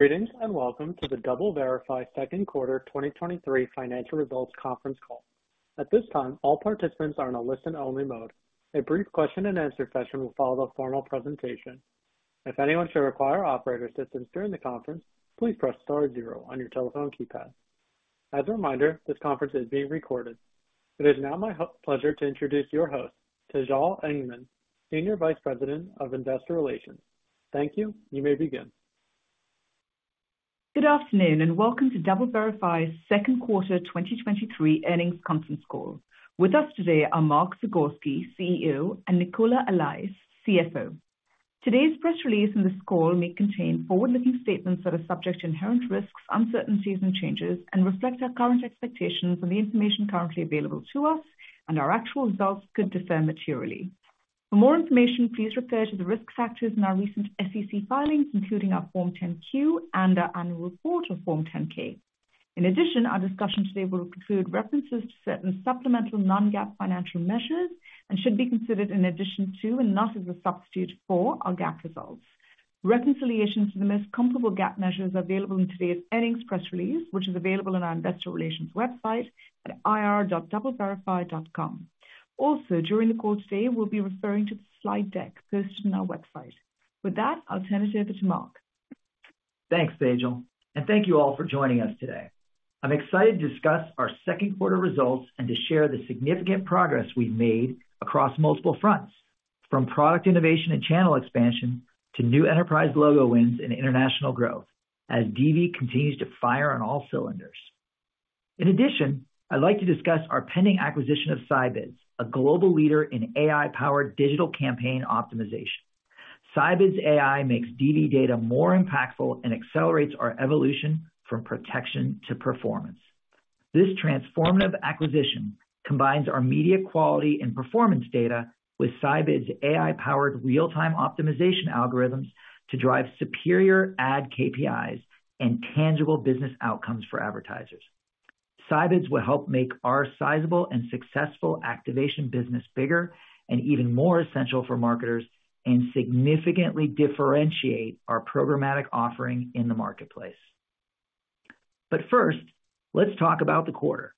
Greetings. Welcome to the DoubleVerify Second Quarter 2023 Financial Results Conference Call. At this time, all participants are on a listen-only mode. A brief question and answer session will follow the formal presentation. If anyone should require operator assistance during the conference, please press star zero on your telephone keypad. As a reminder, this conference is being recorded. It is now my pleasure to introduce your host, Tejal Engman, Senior Vice President of Investor Relations. Thank you. You may begin. Good afternoon, welcome to DoubleVerify's Second Quarter 2023 Earnings Conference Call. With us today are Mark Zagorski, CEO, and Nicola Allais, CFO. Today's press release and this call may contain forward-looking statements that are subject to inherent risks, uncertainties and changes, and reflect our current expectations and the information currently available to us, and our actual results could differ materially. For more information, please refer to the risk factors in our recent SEC filings, including our Form 10-Q and our annual report or Form 10-K. In addition, our discussion today will include references to certain supplemental non-GAAP financial measures and should be considered in addition to, and not as a substitute for, our GAAP results. Reconciliation to the most comparable GAAP measures available in today's earnings press release, which is available on our investor relations website at ir.doubleverify.com. During the call today, we'll be referring to the slide deck posted on our website. With that, I'll turn it over to Mark. Thanks, Tejal. Thank you all for joining us today. I'm excited to discuss our second quarter results and to share the significant progress we've made across multiple fronts, from product innovation and channel expansion to new enterprise logo wins and international growth, as DV continues to fire on all cylinders. In addition, I'd like to discuss our pending acquisition of Scibids, a global leader in AI-powered digital campaign optimization. Scibids AI makes DV data more impactful and accelerates our evolution from protection to performance. This transformative acquisition combines our media quality and performance data with Scibids' AI-powered real-time optimization algorithms to drive superior ad KPIs and tangible business outcomes for advertisers. Scibids will help make our sizable and successful Activation business bigger and even more essential for marketers, significantly differentiate our programmatic offering in the marketplace. First, let's talk about the quarter.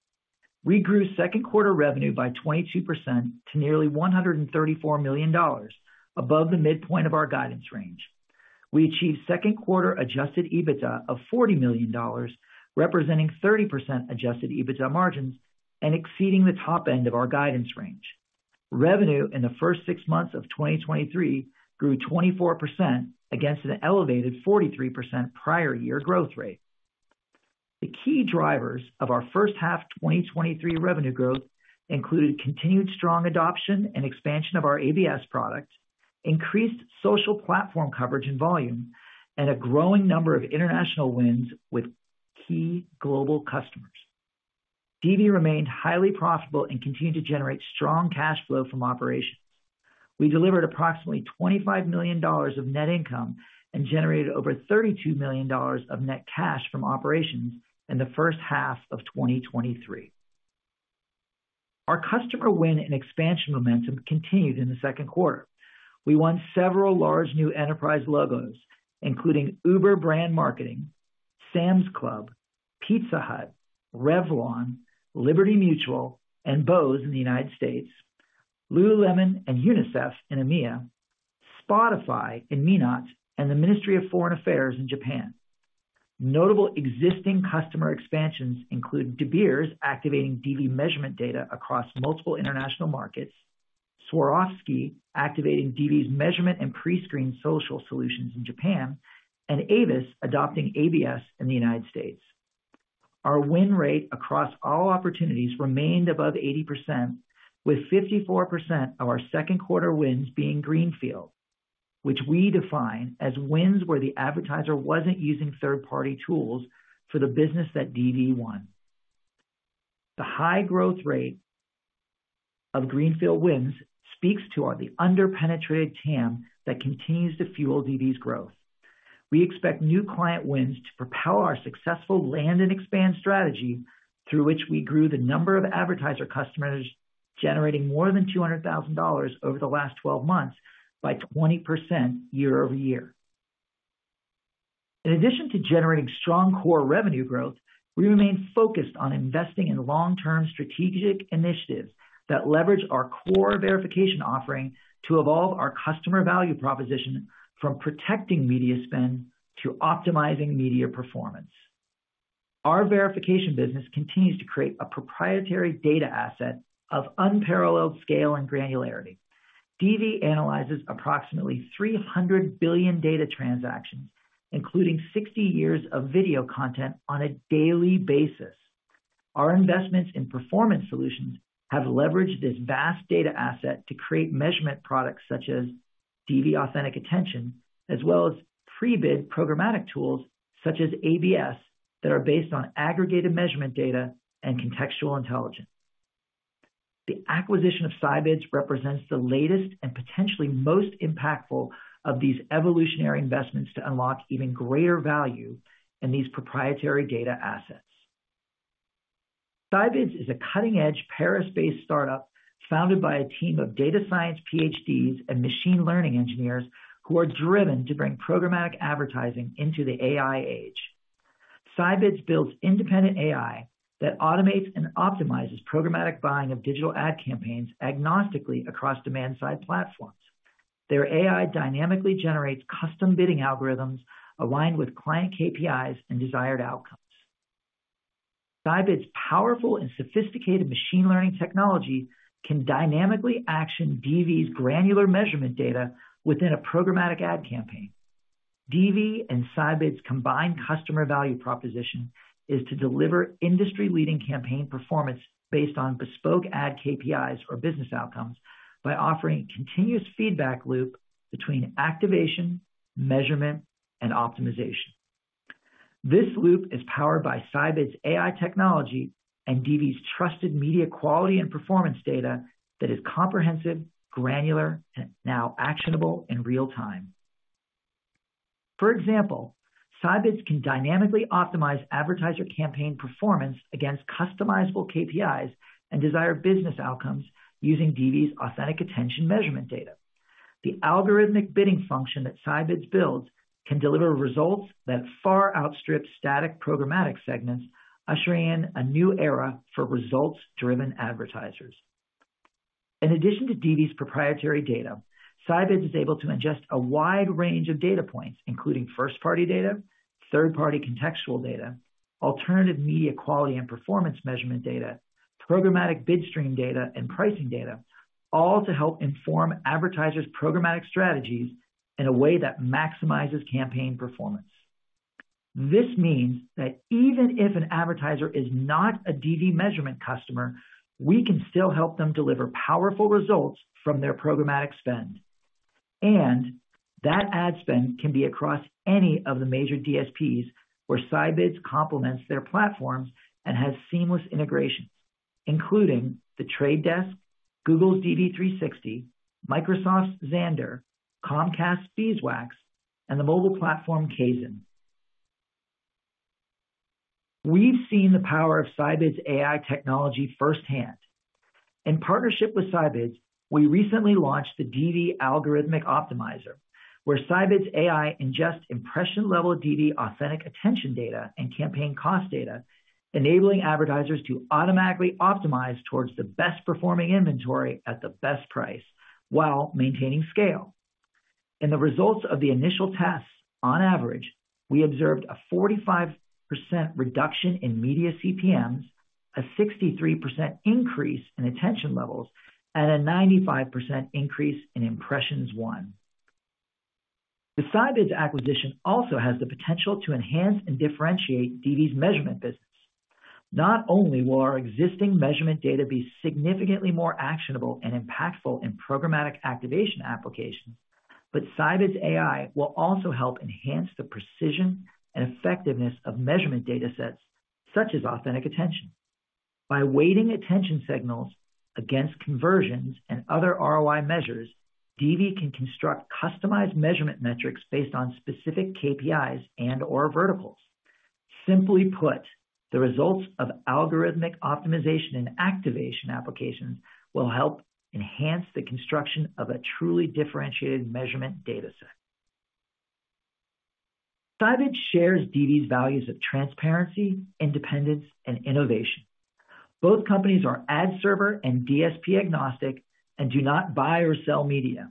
We grew second quarter revenue by 22% to nearly $134 million, above the midpoint of our guidance range. We achieved second quarter adjusted EBITDA of $40 million, representing 30% adjusted EBITDA margins and exceeding the top end of our guidance range. Revenue in the first six months of 2023 grew 24% against an elevated 43% prior year growth rate. The key drivers of our first half 2023 revenue growth included continued strong adoption and expansion of our ABS product, increased social platform coverage and volume, and a growing number of international wins with key global customers. DV remained highly profitable and continued to generate strong cash flow from operations. We delivered approximately $25 million of net income and generated over $32 million of net cash from operations in the first half of 2023. Our customer win and expansion momentum continued in the second quarter. We won several large new enterprise logos, including Uber Brand Marketing, Sam's Club, Pizza Hut, Revlon, Liberty Mutual, and Bose in the United States, Lululemon and UNICEF in EMEA, Spotify in MENAT, and the Ministry of Foreign Affairs in Japan. Notable existing customer expansions include De Beers, activating DV measurement data across multiple international markets, Swarovski activating DV's measurement and pre-screened social solutions in Japan, and Avis adopting ABS in the United States. Our win rate across all opportunities remained above 80%, with 54% of our second quarter wins being greenfield, which we define as wins where the advertiser wasn't using third-party tools for the business that DV won. The high growth rate of greenfield wins speaks to the under-penetrated TAM that continues to fuel DV's growth. We expect new client wins to propel our successful land and expand strategy, through which we grew the number of advertiser customers generating more than $200,000 over the last 12 months by 20% year-over-year. In addition to generating strong core revenue growth, we remain focused on investing in long-term strategic initiatives that leverage our core verification offering to evolve our customer value proposition from protecting media spend to optimizing media performance. Our verification business continues to create a proprietary data asset of unparalleled scale and granularity. DV analyzes approximately 300 billion data transactions, including 60 years of video content, on a daily basis. Our investments in performance solutions have leveraged this vast data asset to create measurement products such as DV Authentic Attention, as well as pre-bid programmatic tools such as ABS, that are based on aggregated measurement data and contextual intelligence. The acquisition of Scibids represents the latest and potentially most impactful of these evolutionary investments to unlock even greater value in these proprietary data assets. Scibids is a cutting-edge Paris-based startup founded by a team of data science PhDs and machine learning engineers who are driven to bring programmatic advertising into the AI age. Scibids builds independent AI that automates and optimizes programmatic buying of digital ad campaigns agnostically across demand-side platforms. Their AI dynamically generates custom bidding algorithms aligned with client KPIs and desired outcomes. Scibids' powerful and sophisticated machine learning technology can dynamically action DV's granular measurement data within a programmatic ad campaign. DV and Scibids' combined customer value proposition is to deliver industry-leading campaign performance based on bespoke ad KPIs or business outcomes, by offering continuous feedback loop between Activation, measurement, and optimization. This loop is powered by Scibids' AI technology and DV's trusted media quality and performance data that is comprehensive, granular, and now actionable in real time. For example, Scibids can dynamically optimize advertiser campaign performance against customizable KPIs and desired business outcomes using DV's Authentic Attention measurement data. The algorithmic bidding function that Scibids builds can deliver results that far outstrip static programmatic segments, ushering in a new era for results-driven advertisers. In addition to DV's proprietary data, Scibids is able to ingest a wide range of data points, including first-party data, third-party contextual data, alternative media quality and performance measurement data, programmatic bid stream data, and pricing data, all to help inform advertisers' programmatic strategies in a way that maximizes campaign performance. This means that even if an advertiser is not a DV measurement customer, we can still help them deliver powerful results from their programmatic spend. That ad spend can be across any of the major DSPs, where Scibids complements their platforms and has seamless integrations, including The Trade Desk, Google's DV360, Microsoft's Xandr, Comcast's Beeswax, and the mobile platform, Kayzen. We've seen the power of Scibids' AI technology firsthand. In partnership with Scibids, we recently launched the DV Algorithmic Optimizer, where Scibids' AI ingests impression-level DV Authentic Attention data and campaign cost data, enabling advertisers to automatically optimize towards the best-performing inventory at the best price while maintaining scale. In the results of the initial tests, on average, we observed a 45% reduction in media CPMs, a 63% increase in attention levels, and a 95% increase in impressions won. The Scibids acquisition also has the potential to enhance and differentiate DV's measurement business. Not only will our existing measurement data be significantly more actionable and impactful in programmatic Activation applications, but Scibids' AI will also help enhance the precision and effectiveness of measurement data sets, such as Authentic Attention. By weighting attention signals against conversions and other ROI measures, DV can construct customized measurement metrics based on specific KPIs and/or verticals. Simply put, the results of algorithmic optimization and Activation applications will help enhance the construction of a truly differentiated measurement data set. Scibids shares DV's values of transparency, independence, and innovation. Both companies are ad server and DSP agnostic and do not buy or sell media.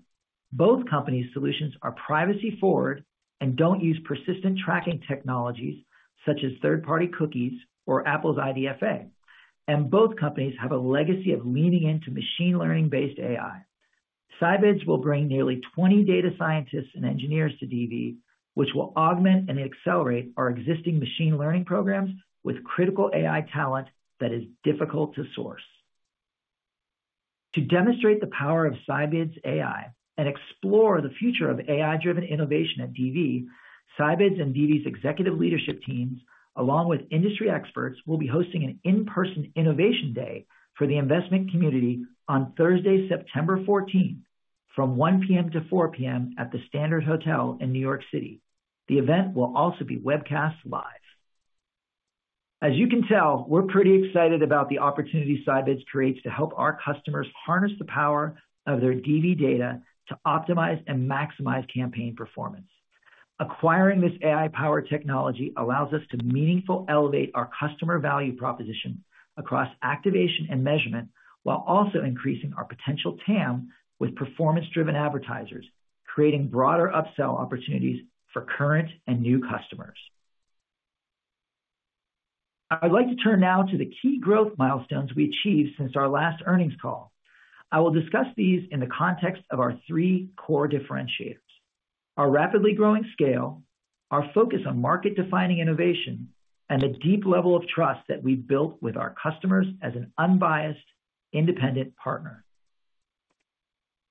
Both companies' solutions are privacy-forward and don't use persistent tracking technologies such as third-party cookies or Apple's IDFA. Both companies have a legacy of leaning into machine learning-based AI. Scibids will bring nearly 20 data scientists and engineers to DV, which will augment and accelerate our existing machine learning programs with critical AI talent that is difficult to source. To demonstrate the power of Scibids' AI and explore the future of AI-driven innovation at DV, Scibids and DV's executive leadership teams, along with industry experts, will be hosting an in-person innovation day for the investment community on Thursday, September 14th, from 1:00 P.M. to 4:00 P.M. at the Standard Hotel in New York City. The event will also be webcast live. As you can tell, we're pretty excited about the opportunity Scibids creates to help our customers harness the power of their DV data to optimize and maximize campaign performance. Acquiring this AI-powered technology allows us to meaningful elevate our customer value proposition across Activation and measurement, while also increasing our potential TAM with performance-driven advertisers, creating broader upsell opportunities for current and new customers. I'd like to turn now to the key growth milestones we achieved since our last earnings call. I will discuss these in the context of our three core differentiators: our rapidly growing scale, our focus on market-defining innovation, and the deep level of trust that we've built with our customers as an unbiased, independent partner.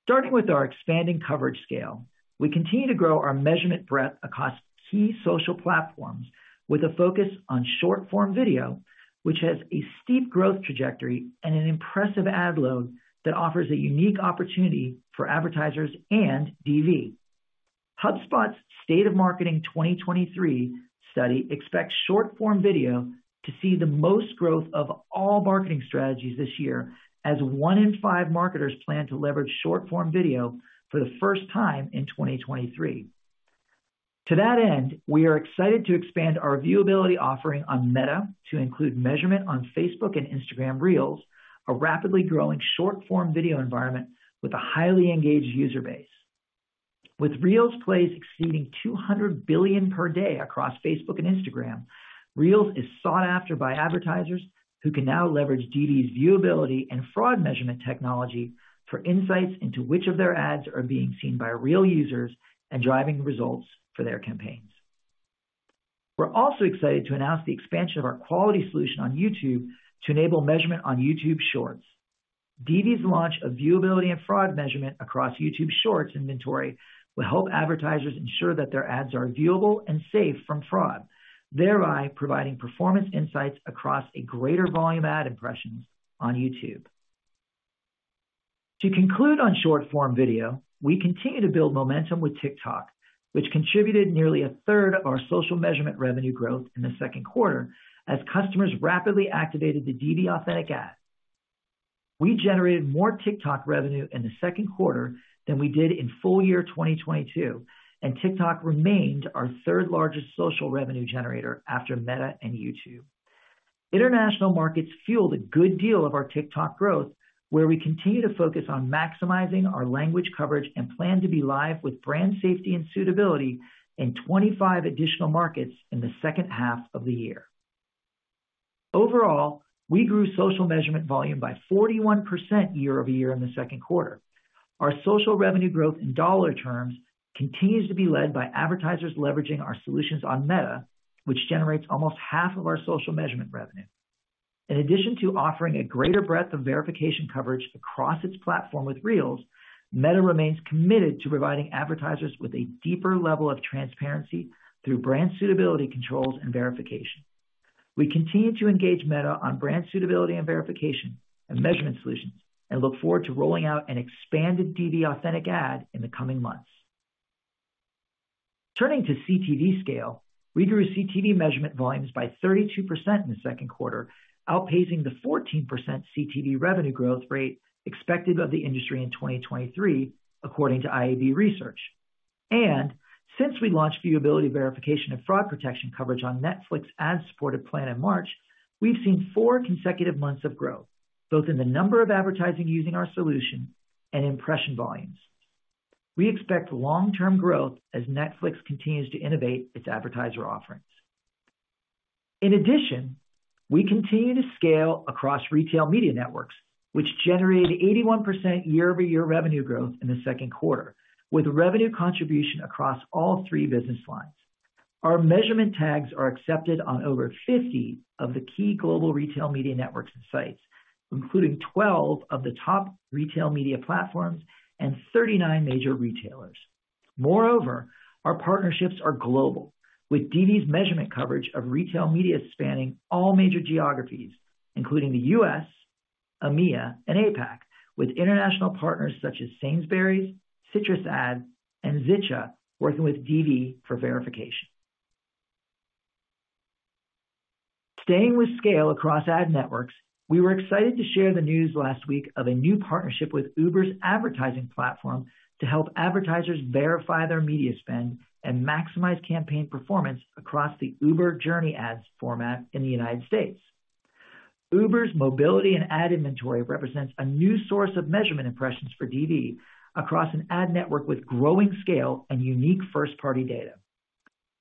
Starting with our expanding coverage scale, we continue to grow our measurement breadth across key social platforms with a focus on short-form video, which has a steep growth trajectory and an impressive ad load that offers a unique opportunity for advertisers and DV. HubSpot's State of Marketing 2023 study expects short-form video to see the most growth of all marketing strategies this year, as one in five marketers plan to leverage short-form video for the first time in 2023. To that end, we are excited to expand our viewability offering on Meta to include measurement on Facebook and Instagram Reels, a rapidly growing short-form video environment with a highly engaged user base. With Reels plays exceeding 200 billion per day across Facebook and Instagram, Reels is sought after by advertisers who can now leverage DV's viewability and fraud measurement technology for insights into which of their ads are being seen by real users and driving results for their campaigns. We're also excited to announce the expansion of our quality solution on YouTube to enable measurement on YouTube Shorts. DV's launch of viewability and fraud measurement across YouTube Shorts inventory will help advertisers ensure that their ads are viewable and safe from fraud, thereby providing performance insights across a greater volume ad impressions on YouTube. To conclude on short-form video, we continue to build momentum with TikTok, which contributed nearly a 1/3 of our social measurement revenue growth in the second quarter, as customers rapidly activated the DV Authentic Ad. We generated more TikTok revenue in the second quarter than we did in full year 2022. TikTok remains our third-largest social revenue generator after Meta and YouTube. International markets fueled a good deal of our TikTok growth, where we continue to focus on maximizing our language coverage and plan to be live with brand safety and suitability in 25 additional markets in the second half of the year. Overall, we grew social measurement volume by 41% year-over-year in the second quarter. Our social revenue growth in dollar terms continues to be led by advertisers leveraging our solutions on Meta, which generates almost half of our social measurement revenue. In addition to offering a greater breadth of verification coverage across its platform with Reels, Meta remains committed to providing advertisers with a deeper level of transparency through brand suitability controls and verification. We continue to engage Meta on brand suitability and verification and measurement solutions, and look forward to rolling out an expanded DV Authentic Ad in the coming months. Turning to CTV scale, we grew CTV measurement volumes by 32% in the second quarter, outpacing the 14% CTV revenue growth rate expected of the industry in 2023, according to IAB Research. Since we launched viewability, verification, and fraud protection coverage on Netflix ad-supported plan in March, we've seen four consecutive months of growth, both in the number of advertising using our solution and impression volumes. We expect long-term growth as Netflix continues to innovate its advertiser offerings. In addition, we continue to scale across Retail Media Networks, which generated 81% year-over-year revenue growth in the second quarter, with revenue contribution across all three business lines. Our measurement tags are accepted on over 50 of the key global Retail Media Networks and sites, including 12 of the top retail media platforms and 39 major retailers. Moreover, our partnerships are global, with DV's measurement coverage of retail media spanning all major geographies, including the U.S., EMEA, and APAC, with international partners such as Sainsbury's, CitrusAd, and Zitcha working with DV for verification. Staying with scale across ad networks, we were excited to share the news last week of a new partnership with Uber's advertising platform to help advertisers verify their media spend and maximize campaign performance across the Uber Journey Ads format in the United States. Uber's mobility and ad inventory represents a new source of measurement impressions for DV across an ad network with growing scale and unique first-party data.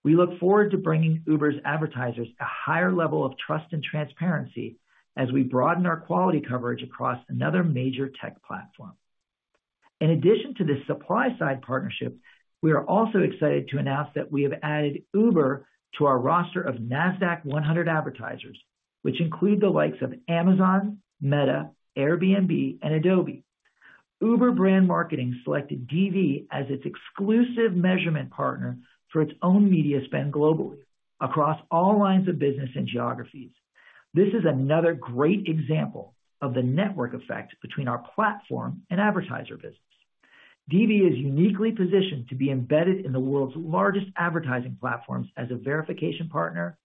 We look forward to bringing Uber's advertisers a higher level of trust and transparency as we broaden our quality coverage across another major tech platform. In addition to this Supply-Side partnership, we are also excited to announce that we have added Uber to our roster of Nasdaq 100 advertisers, which include the likes of Amazon, Meta, Airbnb, and Adobe. Uber Brand Marketing selected DV as its exclusive measurement partner for its own media spend globally across all lines of business and geographies. This is another great example of the network effect between our platform and advertiser business. DV is uniquely positioned to be embedded in the world's largest advertising platforms as a verification partner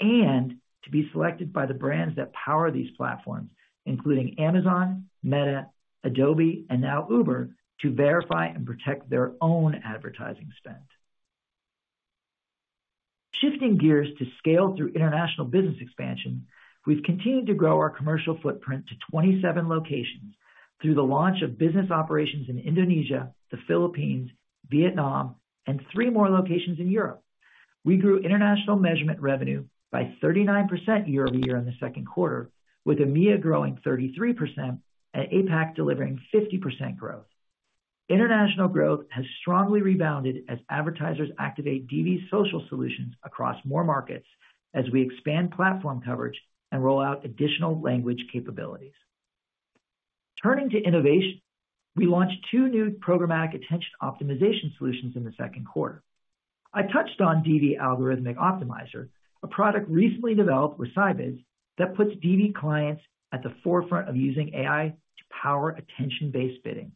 and to be selected by the brands that power these platforms, including Amazon, Meta, Adobe, and now Uber, to verify and protect their own advertising spend. Shifting gears to scale through international business expansion, we've continued to grow our commercial footprint to 27 locations through the launch of business operations in Indonesia, the Philippines, Vietnam, and three more locations in Europe. We grew international measurement revenue by 39% year-over-year in the second quarter, with EMEA growing 33% and APAC delivering 50% growth. International growth has strongly rebounded as advertisers activate DV's social solutions across more markets as we expand platform coverage and roll out additional language capabilities. Turning to innovation, we launched two new programmatic attention optimization solutions in the second quarter. I touched on DV Algorithmic Optimizer, a product recently developed with Scibids, that puts DV clients at the forefront of using AI to power attention-based bidding.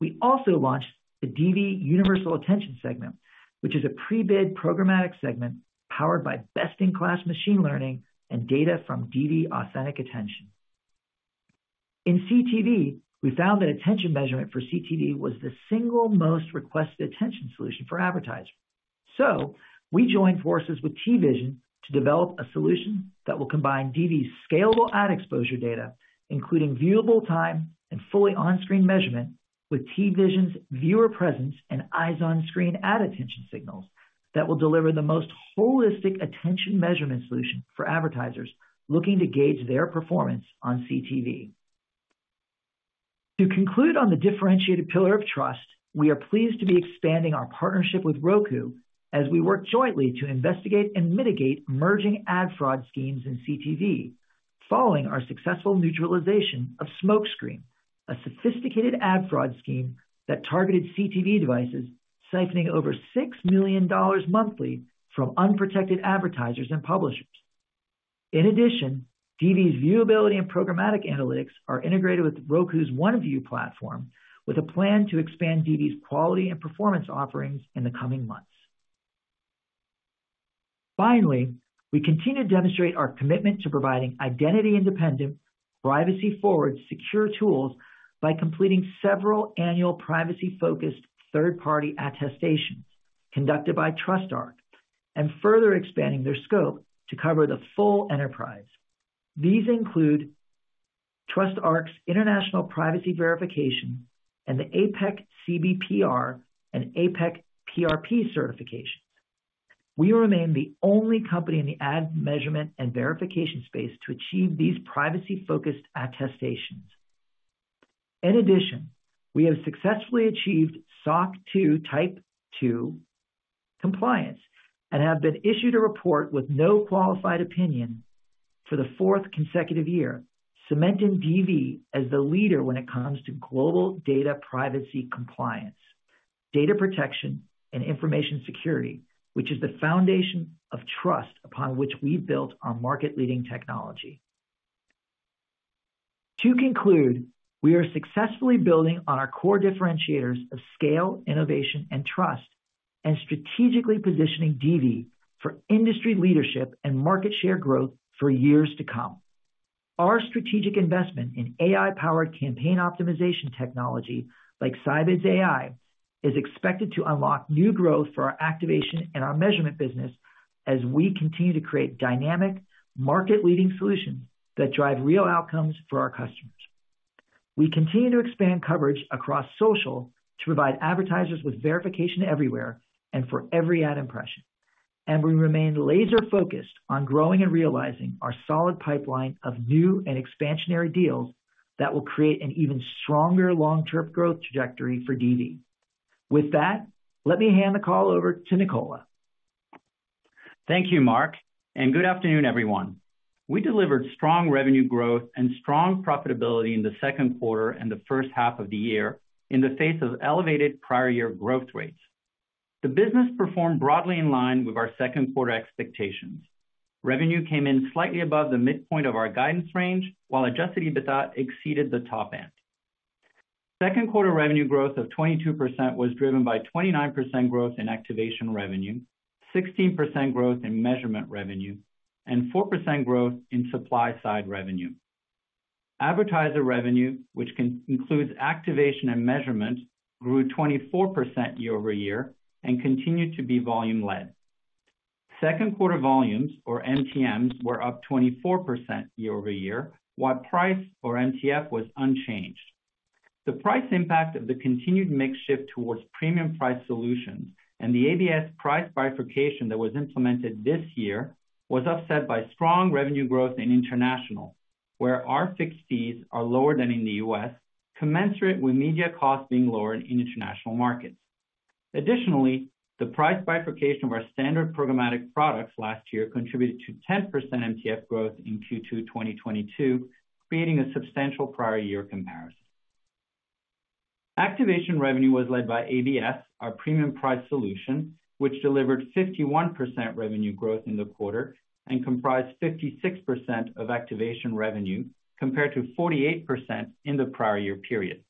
We also launched the DV Universal Attention Segments, which is a pre-bid programmatic segment powered by best-in-class machine learning and data from DV Authentic Attention. In CTV, we found that attention measurement for CTV was the single most requested attention solution for advertisers. We joined forces with TVision to develop a solution that will combine DV's scalable ad exposure data, including viewable time and fully on-screen measurement, with TVision's viewer presence and eyes on screen ad attention signals, that will deliver the most holistic attention measurement solution for advertisers looking to gauge their performance on CTV. To conclude on the differentiated pillar of trust, we are pleased to be expanding our partnership with Roku as we work jointly to investigate and mitigate emerging ad fraud schemes in CTV. Following our successful neutralization of SmokeScreen, a sophisticated ad fraud scheme that targeted CTV devices, siphoning over $6 million monthly from unprotected advertisers and publishers. In addition, DV's viewability and programmatic analytics are integrated with Roku's OneView platform, with a plan to expand DV's quality and performance offerings in the coming months. Finally, we continue to demonstrate our commitment to providing identity-independent, privacy-forward, secure tools by completing several annual privacy-focused third-party attestations conducted by TrustArc, and further expanding their scope to cover the full enterprise. These include TrustArc's International Privacy Verification and the APAC CBPR and APAC PRP certifications. We remain the only company in the ad measurement and verification space to achieve these privacy-focused attestations. In addition, we have successfully achieved SOC 2 Type 2 compliance, and have been issued a report with no qualified opinion for the 4th consecutive year, cementing DV as the leader when it comes to global data privacy compliance, data protection, and information security, which is the foundation of trust upon which we've built our market-leading technology. To conclude, we are successfully building on our core differentiators of scale, innovation, and trust, and strategically positioning DV for industry leadership and market share growth for years to come. Our strategic investment in AI-powered campaign optimization technology, like Scibids AI, is expected to unlock new growth for our Activation and our measurement business as we continue to create dynamic, market-leading solutions that drive real outcomes for our customers. We continue to expand coverage across social to provide advertisers with verification everywhere and for every ad impression. We remain laser-focused on growing and realizing our solid pipeline of new and expansionary deals that will create an even stronger long-term growth trajectory for DV. With that, let me hand the call over to Nicola. Thank you, Mark, and good afternoon, everyone. We delivered strong revenue growth and strong profitability in the second quarter and the first half of the year in the face of elevated prior year growth rates. The business performed broadly in line with our second quarter expectations. Revenue came in slightly above the midpoint of our guidance range, while adjusted EBITDA exceeded the top end. Second quarter revenue growth of 22% was driven by 29% growth in Activation revenue, 16% growth in Measurement revenue, and 4% growth in Supply-Side revenue. Advertiser revenue, which includes Activation and Measurement, grew 24% year-over-year and continued to be volume-led. Second quarter volumes, or MTMs, were up 24% year-over-year, while price, or MTF, was unchanged. The price impact of the continued mix shift towards premium price solutions and the ABS price bifurcation that was implemented this year, was offset by strong revenue growth in international, where our fix fees are lower than in the U.S., commensurate with media costs being lower in international markets. The price bifurcation of our standard programmatic products last year contributed to 10% MTF growth in Q2 2022, creating a substantial prior year comparison. Activation revenue was led by ABS, our premium price solution, which delivered 51% revenue growth in the quarter and comprised 56% of Activation revenue, compared to 48% in the prior year period.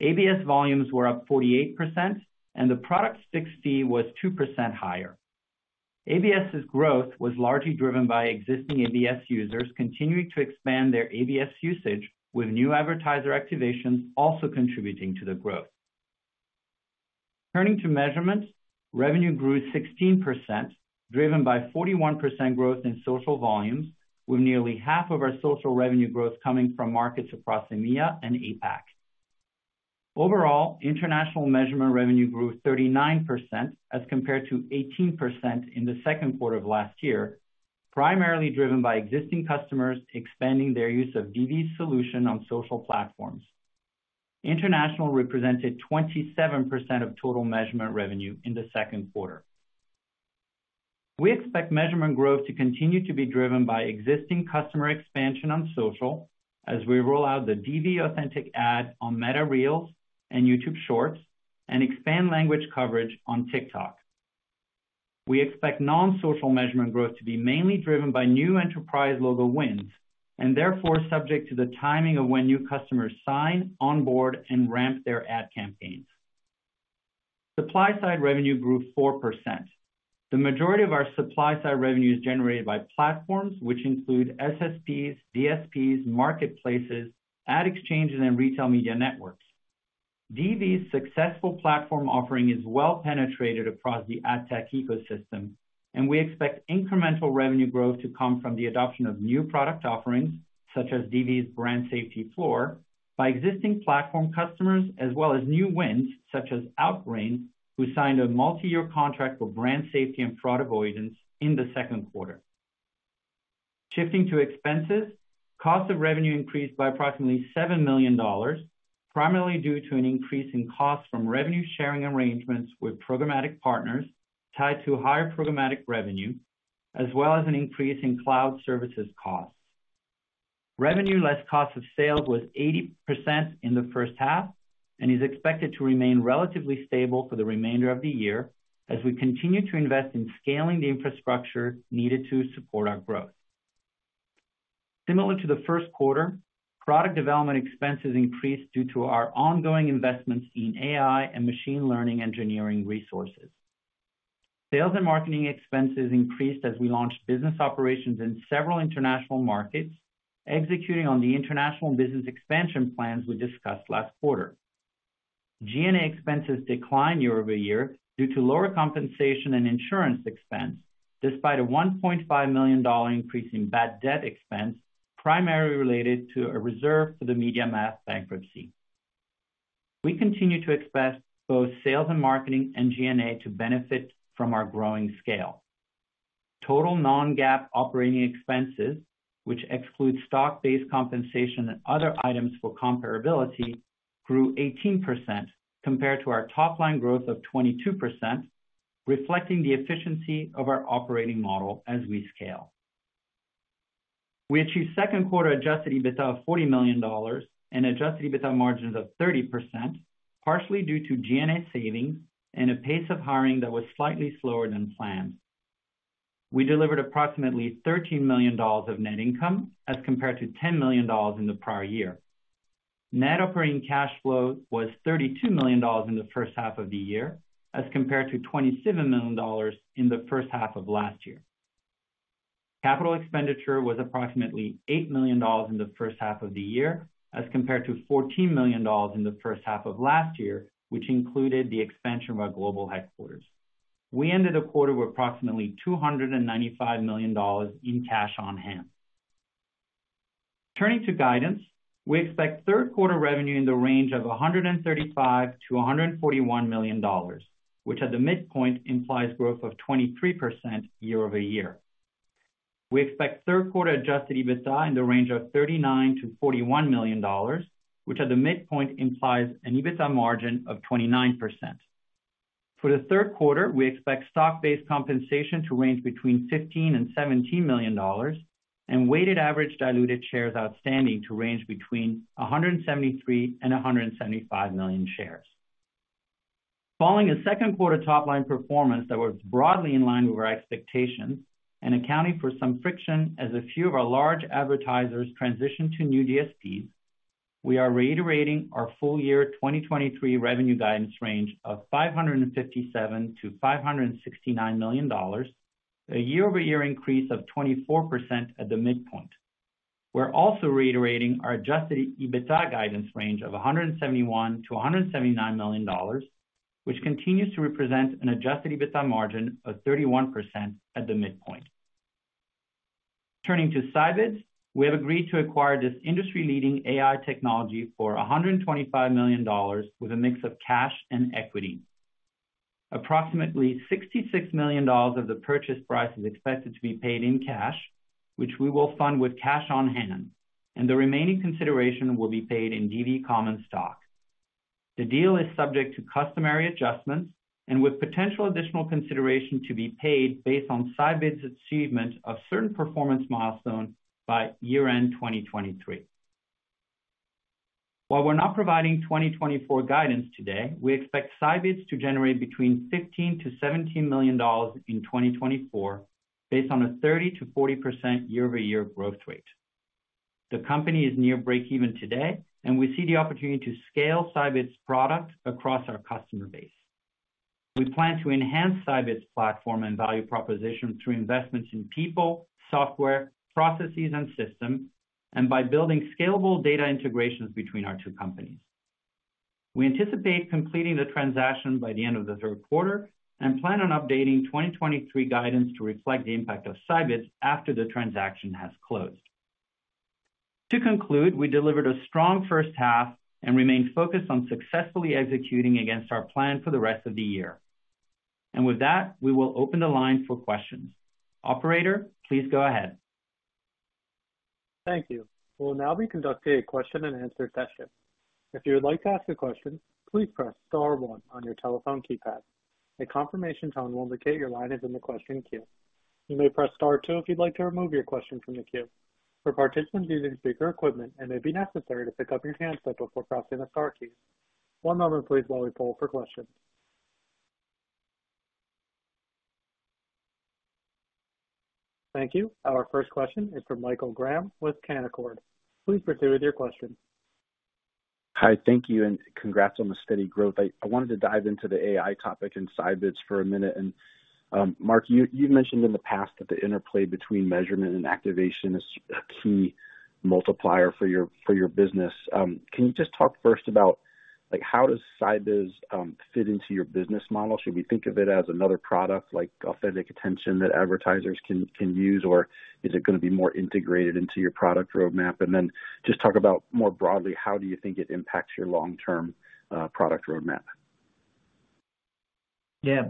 ABS volumes were up 48, and the product fix fee was 2% higher. ABS's growth was largely driven by existing ABS users continuing to expand their ABS usage, with new advertiser Activations also contributing to the growth. Turning to Measurements, revenue grew 16%, driven by 41% growth in social volumes, with nearly half of our social revenue growth coming from markets across EMEA and APAC. Overall, International Measurement revenue grew 39%, as compared to 18% in the second quarter of last year, primarily driven by existing customers expanding their use of DV's solution on social platforms. International represented 27% of total Measurement revenue in the second quarter. We expect Measurement growth to continue to be driven by existing customer expansion on social, as we roll out the DV Authentic Ad on Meta Reels and YouTube Shorts, and expand language coverage on TikTok. We expect non-social Measurement growth to be mainly driven by new enterprise logo wins, and therefore subject to the timing of when new customers sign, onboard, and ramp their ad campaigns. Supply-Side revenue grew 4%. The majority of our Supply-Side revenue is generated by platforms, which include SSPs, DSPs, marketplaces, ad exchanges, and Retail Media Networks. DV's successful platform offering is well penetrated across the ad tech ecosystem, and we expect incremental revenue growth to come from the adoption of new product offerings, such as DV's Brand Safety Floor, by existing platform customers, as well as new wins, such as Outbrain, who signed a multi-year contract for brand safety and fraud avoidance in the second quarter. Shifting to expenses, cost of revenue increased by approximately $7 million, primarily due to an increase in costs from revenue-sharing arrangements with programmatic partners tied to higher programmatic revenue, as well as an increase in cloud services costs. Revenue less cost of sales was 80% in the first half, is expected to remain relatively stable for the remainder of the year, as we continue to invest in scaling the infrastructure needed to support our growth. Similar to the first quarter, product development expenses increased due to our ongoing investments in AI and machine learning engineering resources. Sales and marketing expenses increased as we launched business operations in several international markets, executing on the international business expansion plans we discussed last quarter. G&A expenses declined year-over-year due to lower compensation and insurance expense, despite a $1.5 million increase in bad debt expense, primarily related to a reserve for the MediaMath bankruptcy. We continue to expect both sales and marketing and G&A to benefit from our growing scale. Total non-GAAP operating expenses, which excludes stock-based compensation and other items for comparability, grew 18% compared to our top line growth of 22%, reflecting the efficiency of our operating model as we scale. We achieved second quarter adjusted EBITDA of $40 million and adjusted EBITDA margins of 30%, partially due to G&A savings and a pace of hiring that was slightly slower than planned. We delivered approximately $13 million of net income, as compared to $10 million in the prior year. Net operating cash flow was $32 million in the first half of the year, as compared to $27 million in the first half of last year. Capital expenditure was approximately $8 million in the first half of the year, as compared to $14 million in the first half of last year, which included the expansion of our global headquarters. We ended the quarter with approximately $295 million in cash on hand. Turning to guidance, we expect third quarter revenue in the range of $135 million-$141 million, which at the midpoint implies growth of 23% year-over-year. We expect third quarter adjusted EBITDA in the range of $39 million-$41 million, which at the midpoint implies an EBITDA margin of 29%. For the third quarter, we expect stock-based compensation to range between $15 million and $17 million, and weighted average diluted shares outstanding to range between 173 million and 175 million shares. Following a second quarter top-line performance that was broadly in line with our expectations and accounting for some friction as a few of our large advertisers transition to new DSPs, we are reiterating our full year 2023 revenue guidance range of $557 million-$569 million, a year-over-year increase of 24% at the midpoint. We're also reiterating our adjusted EBITDA guidance range of $171 million-$179 million, which continues to represent an adjusted EBITDA margin of 31% at the midpoint. Turning to Scibids, we have agreed to acquire this industry-leading AI technology for $125 million, with a mix of cash and equity. Approximately $66 million of the purchase price is expected to be paid in cash, which we will fund with cash on hand, and the remaining consideration will be paid in DV common stock. The deal is subject to customary adjustments and with potential additional consideration to be paid based on Scibids' achievement of certain performance milestones by year-end 2023. While we're not providing 2024 guidance today, we expect Scibids to generate between $15 million-$17 million in 2024, based on a 30%-40% year-over-year growth rate. The company is near breakeven today, and we see the opportunity to scale Scibids' product across our customer base. We plan to enhance Scibids' platform and value proposition through investments in people, software, processes, and systems, and by building scalable data integrations between our two companies. We anticipate completing the transaction by the end of the third quarter and plan on updating 2023 guidance to reflect the impact of Scibids after the transaction has closed. To conclude, we delivered a strong first half and remain focused on successfully executing against our plan for the rest of the year. With that, we will open the line for questions. Operator, please go ahead. Thank you. We'll now be conducting a question and answer session. If you would like to ask a question, please press star one on your telephone keypad. A confirmation tone will indicate your line is in the question queue. You may press star two if you'd like to remove your question from the queue. For participants using speaker equipment, it may be necessary to pick up your handset before pressing the star key. One moment please, while we poll for questions. Thank you. Our first question is from Michael Graham with Canaccord. Please proceed with your question. Hi, thank you, and congrats on the steady growth. I wanted to dive into the AI topic in Scibids for one minute. Mark, you've mentioned in the past that the interplay between Measurement and Activation is a key multiplier for your business. Can you just talk first about, like, how does Scibids fit into your business model? Should we think of it as another product, like authentic attention that advertisers can use? Or is it gonna be more integrated into your product roadmap? Then just talk about more broadly, how do you think it impacts your long-term product roadmap? Yeah,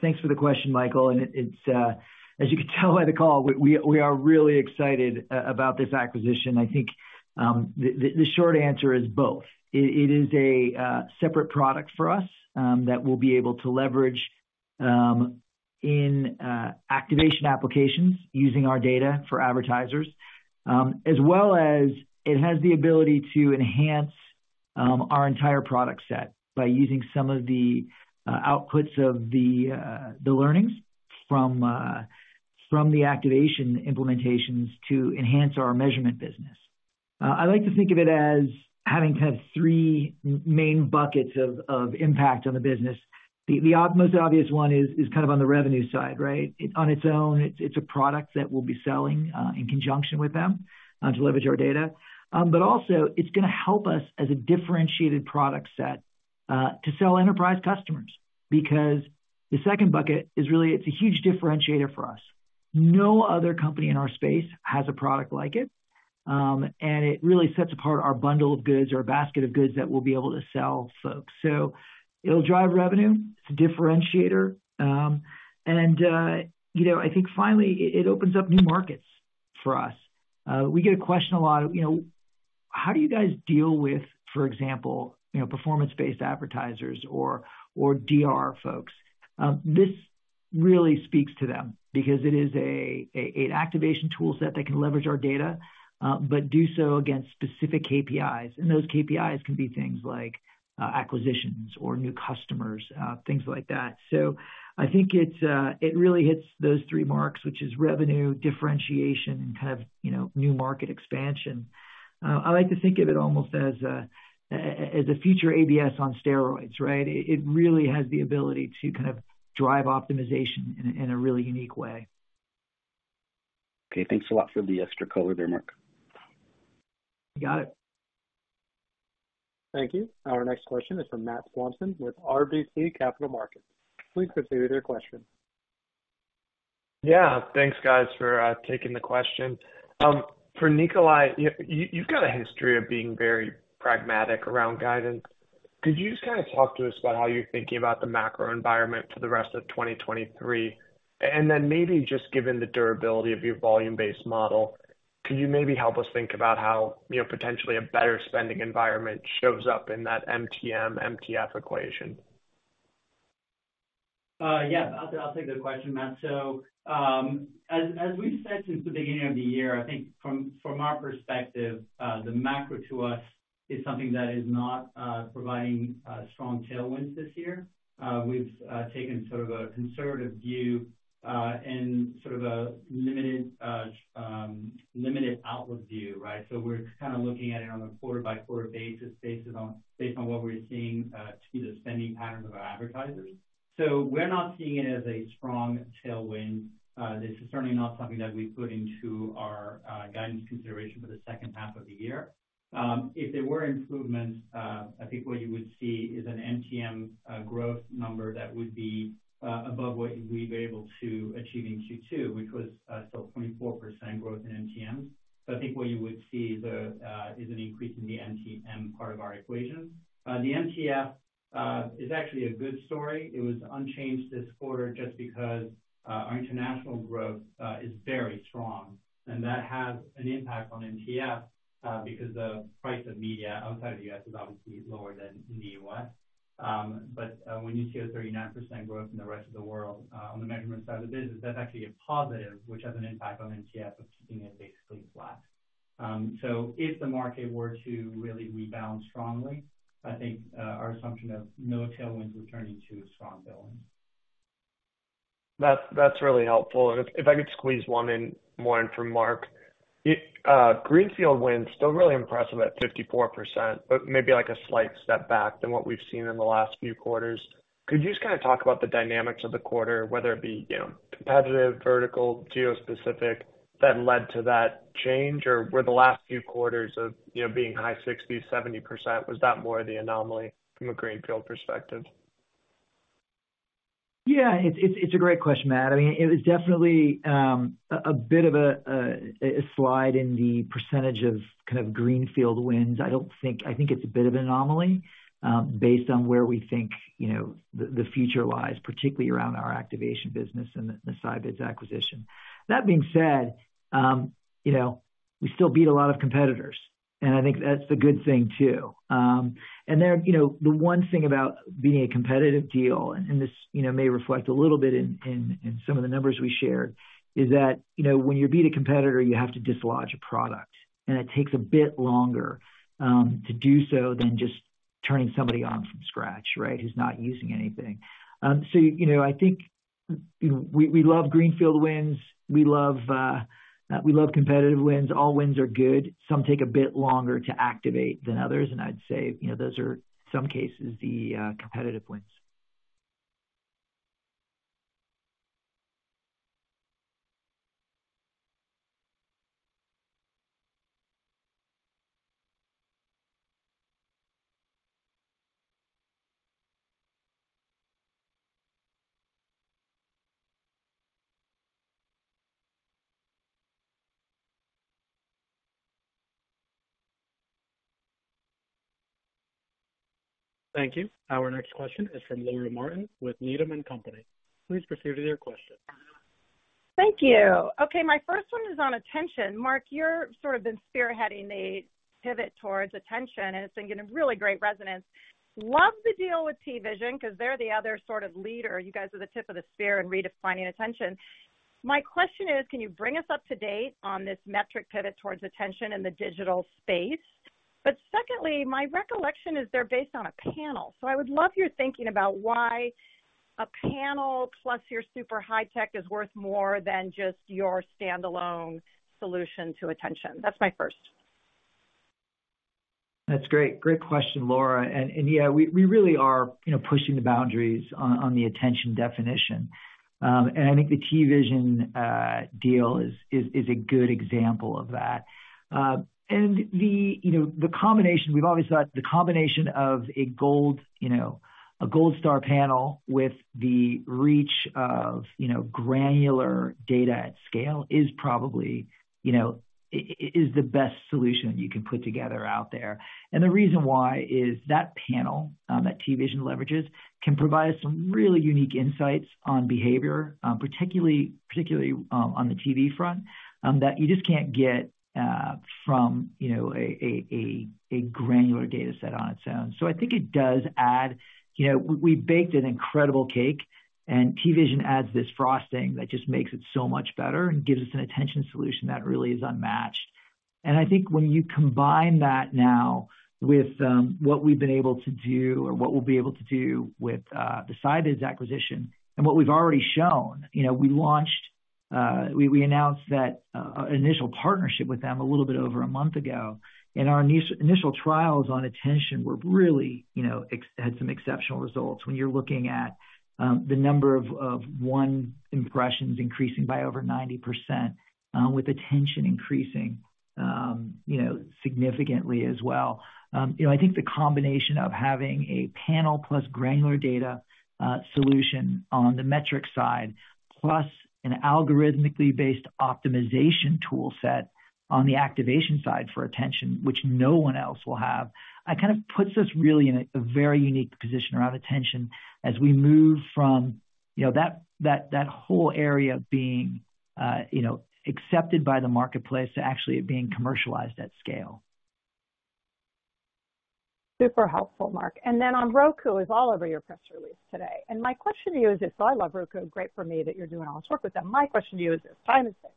thanks for the question, Michael. It, it's, as you can tell by the call, we, we, we are really excited about this acquisition. I think, the, the, the short answer is both. It, it is a separate product for us, that we'll be able to leverage in Activation applications using our data for advertisers. As well as it has the ability to enhance our entire product set by using some of the outputs of the learnings from the Activation implementations to enhance our Measurement business. I like to think of it as having kind of three main buckets of impact on the business. The, the most obvious one is, is kind of on the revenue side, right? On its own, it's, it's a product that we'll be selling, in conjunction with them, to leverage our data. Also it's gonna help us as a differentiated product set, to sell enterprise customers, because the second bucket is really, it's a huge differentiator for us. No other company in our space has a product like it, and it really sets apart our bundle of goods or basket of goods that we'll be able to sell folks. It'll drive revenue. It's a differentiator. You know, I think finally it, it opens up new markets for us. We get a question a lot, you know, how do you guys deal with, for example, you know, performance-based advertisers or, or DR folks? This really speaks to them because it is a Activation tool set that can leverage our data, but do so against specific KPIs. Those KPIs can be things like acquisitions or new customers, things like that. I think it's, it really hits those three marks, which is revenue, differentiation, and kind of, you know, new market expansion. I like to think of it almost as a future ABS on steroids, right? It really has the ability to kind of drive optimization in a really unique way. Okay, thanks a lot for the extra color there, Mark. You got it. Thank you. Our next question is from Matt Swanson with RBC Capital Markets. Please proceed with your question. Yeah, thanks, guys, for taking the question. For Nicola, you, you've got a history of being very pragmatic around guidance. Could you just kind of talk to us about how you're thinking about the macro environment for the rest of 2023? Then maybe just given the durability of your volume-based model, could you maybe help us think about how, you know, potentially a better spending environment shows up in that MTM, MTF equation? Yeah, I'll, I'll take the question, Matt. As, as we've said since the beginning of the year, I think from, from our perspective, the macro to us is something that is not providing strong tailwinds this year. We've taken sort of a conservative view and sort of a limited limited outlook view, right? We're kind of looking at it on a quarter-by-quarter basis, based on what we're seeing to the spending patterns of our advertisers. We're not seeing it as a strong tailwind. This is certainly not something that we put into our guidance consideration for the second half of the year. If there were improvements, I think what you would see is an MTM growth number that would be above what we were able to achieve in Q2, which was 24% growth in MTM. I think what you would see is an increase in the MTM part of our equation. The MTF is actually a good story. It was unchanged this quarter just because our international growth is very strong, and that has an impact on MTF because the price of media outside of the U.S. is obviously lower than in the U.S. When you see a 39% growth in the rest of the world on the Measurement side of the business, that's actually a positive, which has an impact on MTF of keeping it basically flat. If the market were to really rebound strongly, I think, our assumption of no tailwinds would turn into strong tailwinds. That's, that's really helpful. If, if I could squeeze one in, one in for Mark. It, greenfield wins still really impressive at 54%, but maybe like a slight step back than what we've seen in the last few quarters. Could you just kind of talk about the dynamics of the quarter, whether it be, you know, competitive, vertical, geospecific, that led to that change? Were the last few quarters of, you know, being high 60%, 70%, was that more the anomaly from a greenfield perspective? Yeah, it's, it's, it's a great question, Matt. I mean, it was definitely a bit of a slide in the % of kind of greenfield wins. I don't think. I think it's a bit of an anomaly, based on where we think, you know, the future lies, particularly around our Activation business and the Scibids acquisition. That being said, you know, we still beat a lot of competitors. I think that's a good thing, too. Then, you know, the one thing about being a competitive deal, and this, you know, may reflect a little bit in, in, in some of the numbers we shared, is that, you know, when you beat a competitor, you have to dislodge a product, and it takes a bit longer to do so than just turning somebody on from scratch, right, who's not using anything. You know, I think, you know, we, we love greenfield wins. We love, we love competitive wins. All wins are good. Some take a bit longer to activate than others, and I'd say, you know, those are some cases, the competitive wins. Thank you. Our next question is from Laura Martin with Needham & Company. Please proceed with your question. Thank you. Okay, my first one is on attention. Mark, you're sort of been spearheading the pivot towards attention, and it's been getting a really great resonance. Love the deal with TVision, because they're the other sort of leader. You guys are the tip of the spear in redefining attention. My question is, can you bring us up to date on this metric pivot towards attention in the digital space? Secondly, my recollection is they're based on a panel, so I would love your thinking about why a panel plus your super high tech is worth more than just your standalone solution to attention. That's my first. That's great. Great question, Laura. Yeah, we, we really are, you know, pushing the boundaries on, on the attention definition. I think the TVision deal is, is, is a good example of that. We've always thought the combination of a gold, you know, a gold star panel with the reach of, you know, granular data at scale is probably, you know, the best solution you can put together out there. The reason why is that panel that TVision leverages, can provide some really unique insights on behavior, particularly, particularly on the TV front that you just can't get from, you know, a, a, a, a granular data set on its own. I think it does add... You know, we baked an incredible cake, and TVision adds this frosting that just makes it so much better and gives us an attention solution that really is unmatched. I think when you combine that now with what we've been able to do or what we'll be able to do with the Scibids acquisition and what we've already shown. You know, we launched, we announced that initial partnership with them a little bit over a month ago, and our initial trials on attention were really, you know, had some exceptional results when you're looking at the number of impressions increasing by over 90%, with attention increasing, you know, significantly as well. You know, I think the combination of having a panel plus granular data, solution on the metric side, plus an algorithmically based optimization tool set on the Activation side for attention, which no one else will have, kind of puts us really in a very unique position around attention as we move from, you know, that, that, that whole area of being, you know, accepted by the marketplace to actually it being commercialized at scale. Super helpful, Mark. Then on Roku, is all over your press release today. My question to you is this: I love Roku. Great for me that you're doing all this work with them. My question to you is this: time and space.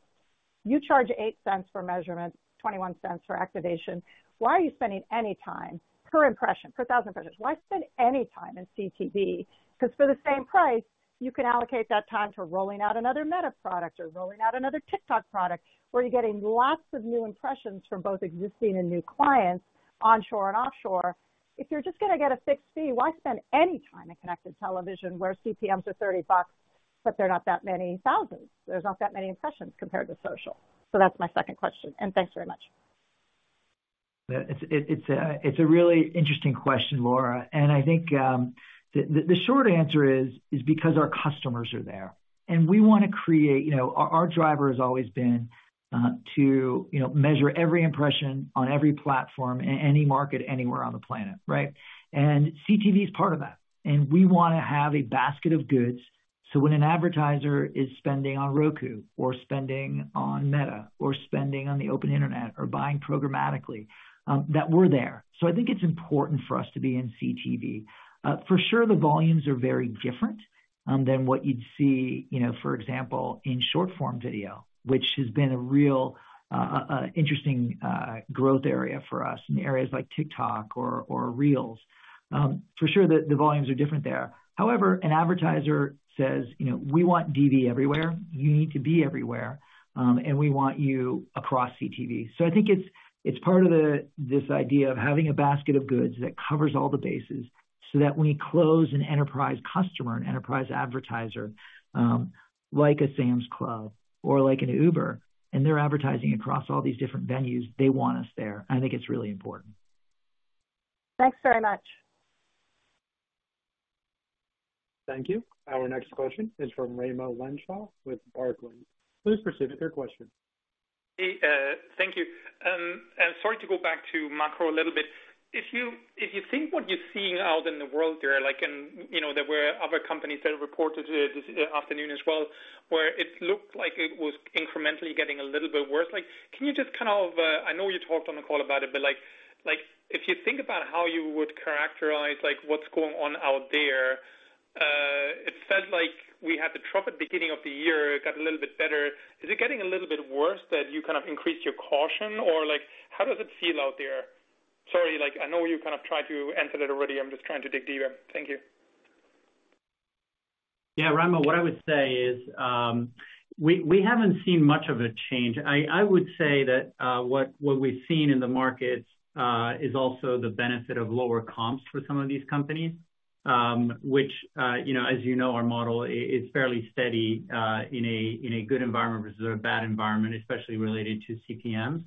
You charge $0.08 for Measurement, $0.21 for Activation. Why are you spending any time per impression, per 1,000 impressions? Why spend any time in CTV? For the same price, you can allocate that time to rolling out another Meta product or rolling out another TikTok product, where you're getting lots of new impressions from both existing and new clients, onshore and offshore. If you're just gonna get a fixed fee, why spend any time in Connected television where CPMs are $30, but they're not that many 1,000s? There's not that many impressions compared to social. That's my second question, and thanks very much. Yeah, it's, it, it's a, it's a really interesting question, Laura, and I think, the, the short answer is, is because our customers are there, and we wanna create... You know, our, our driver has always been, to, you know, measure every impression on every platform in any market, anywhere on the planet, right? CTV is part of that. We wanna have a basket of goods, so when an advertiser is spending on Roku or spending on Meta or spending on the open internet or buying programmatically, that we're there. I think it's important for us to be in CTV. For sure, the volumes are very different, than what you'd see, you know, for example, in short-form video, which has been a real, interesting, growth area for us in areas like TikTok or, or Reels. For sure, the, the volumes are different there. However, an advertiser says, "You know, we want DV everywhere. You need to be everywhere, and we want you across CTV." I think it's, it's part of the, this idea of having a basket of goods that covers all the bases so that when you close an enterprise customer, an enterprise advertiser, like a Sam's Club or like an Uber, and they're advertising across all these different venues, they want us there. I think it's really important. Thanks very much. Thank you. Our next question is from Raimo Lenschow with Barclays. Please proceed with your question. Hey, thank you. Sorry to go back to macro a little bit. If you, if you think what you're seeing out in the world there, like in, you know, there were other companies that reported this afternoon as well, where it looked like it was incrementally getting a little bit worse. Like, can you just kind of... I know you talked on the call about it, but like, if you think about how you would characterize, like, what's going on out there, it felt like we had the trough at beginning of the year, it got a little bit better. Is it getting a little bit worse that you kind of increased your caution, or like, how does it feel out there? Sorry, like, I know you kind of tried to answer that already. I'm just trying to dig deeper. Thank you. Yeah, Raimo, what I would say is, we haven't seen much of a change. I would say that, what we've seen in the markets, is also the benefit of lower comps for some of these companies, which, you know, as you know, our model it's fairly steady, in a good environment vs a bad environment, especially related to CPMs.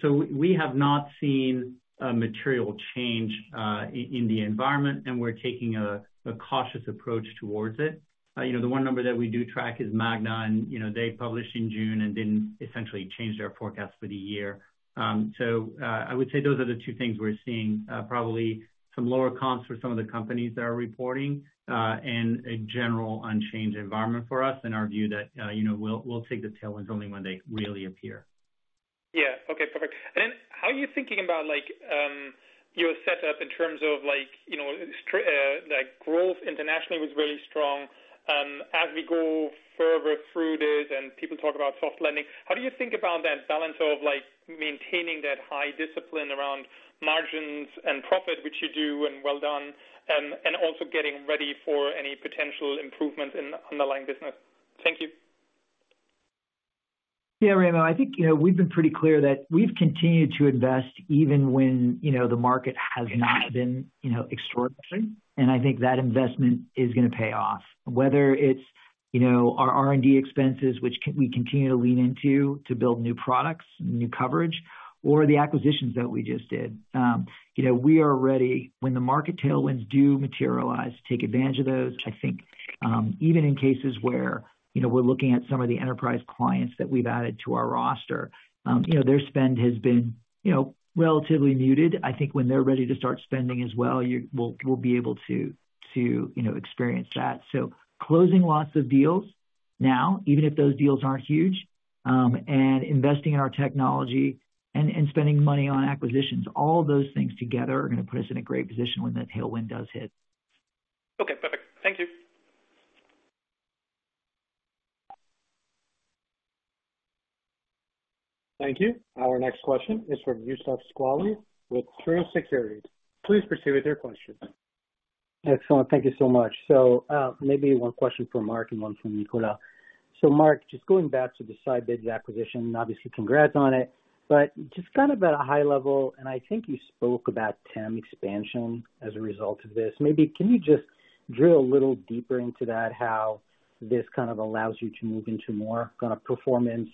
So we have not seen a material change, in the environment, and we're taking a cautious approach towards it. You know, the one number that we do track is Magna, and, you know, they published in June and didn't essentially change their forecast for the year. I would say those are the two things we're seeing, probably some lower comps for some of the companies that are reporting, and a general unchanged environment for us, in our view that, you know, we'll, we'll take the tailwinds only when they really appear. Yeah. Okay, perfect. Then how are you thinking about, like, your setup in terms of like, you know, like, growth internationally was really strong. As we go further through this and people talk about soft lending, how do you think about that balance of, like, maintaining that high discipline around margins and profit, which you do, and well done, and also getting ready for any potential improvement in underlying business? Thank you. Yeah, Raimo, I think, you know, we've been pretty clear that we've continued to invest even when, you know, the market has not been, you know, extraordinary, and I think that investment is gonna pay off. Whether it's, you know, our R&D expenses, which we continue to lean into to build new products, new coverage, or the acquisitions that we just did. You know, we are ready when the market tailwinds do materialize, to take advantage of those, which I think, even in cases where, you know, we're looking at some of the enterprise clients that we've added to our roster, you know, their spend has been, you know, relatively muted. I think when they're ready to start spending as well, we'll, we'll be able to, to, you know, experience that. Closing lots of deals now, even if those deals aren't huge, and investing in our technology and spending money on acquisitions, all those things together are gonna put us in a great position when that tailwind does hit. Okay, perfect. Thank you. Thank you. Our next question is from Youssef Squali with Truist Securities. Please proceed with your question. Excellent. Thank you so much. Maybe one question for Mark Zagorski and one for Nicola Allais. Mark Zagorski, just going back to the Scibids acquisition, obviously congrats on it, but just kind of at a high level, and I think you spoke about TAM expansion as a result of this. Maybe can you just drill a little deeper into that, how this kind of allows you to move into more kind of performance?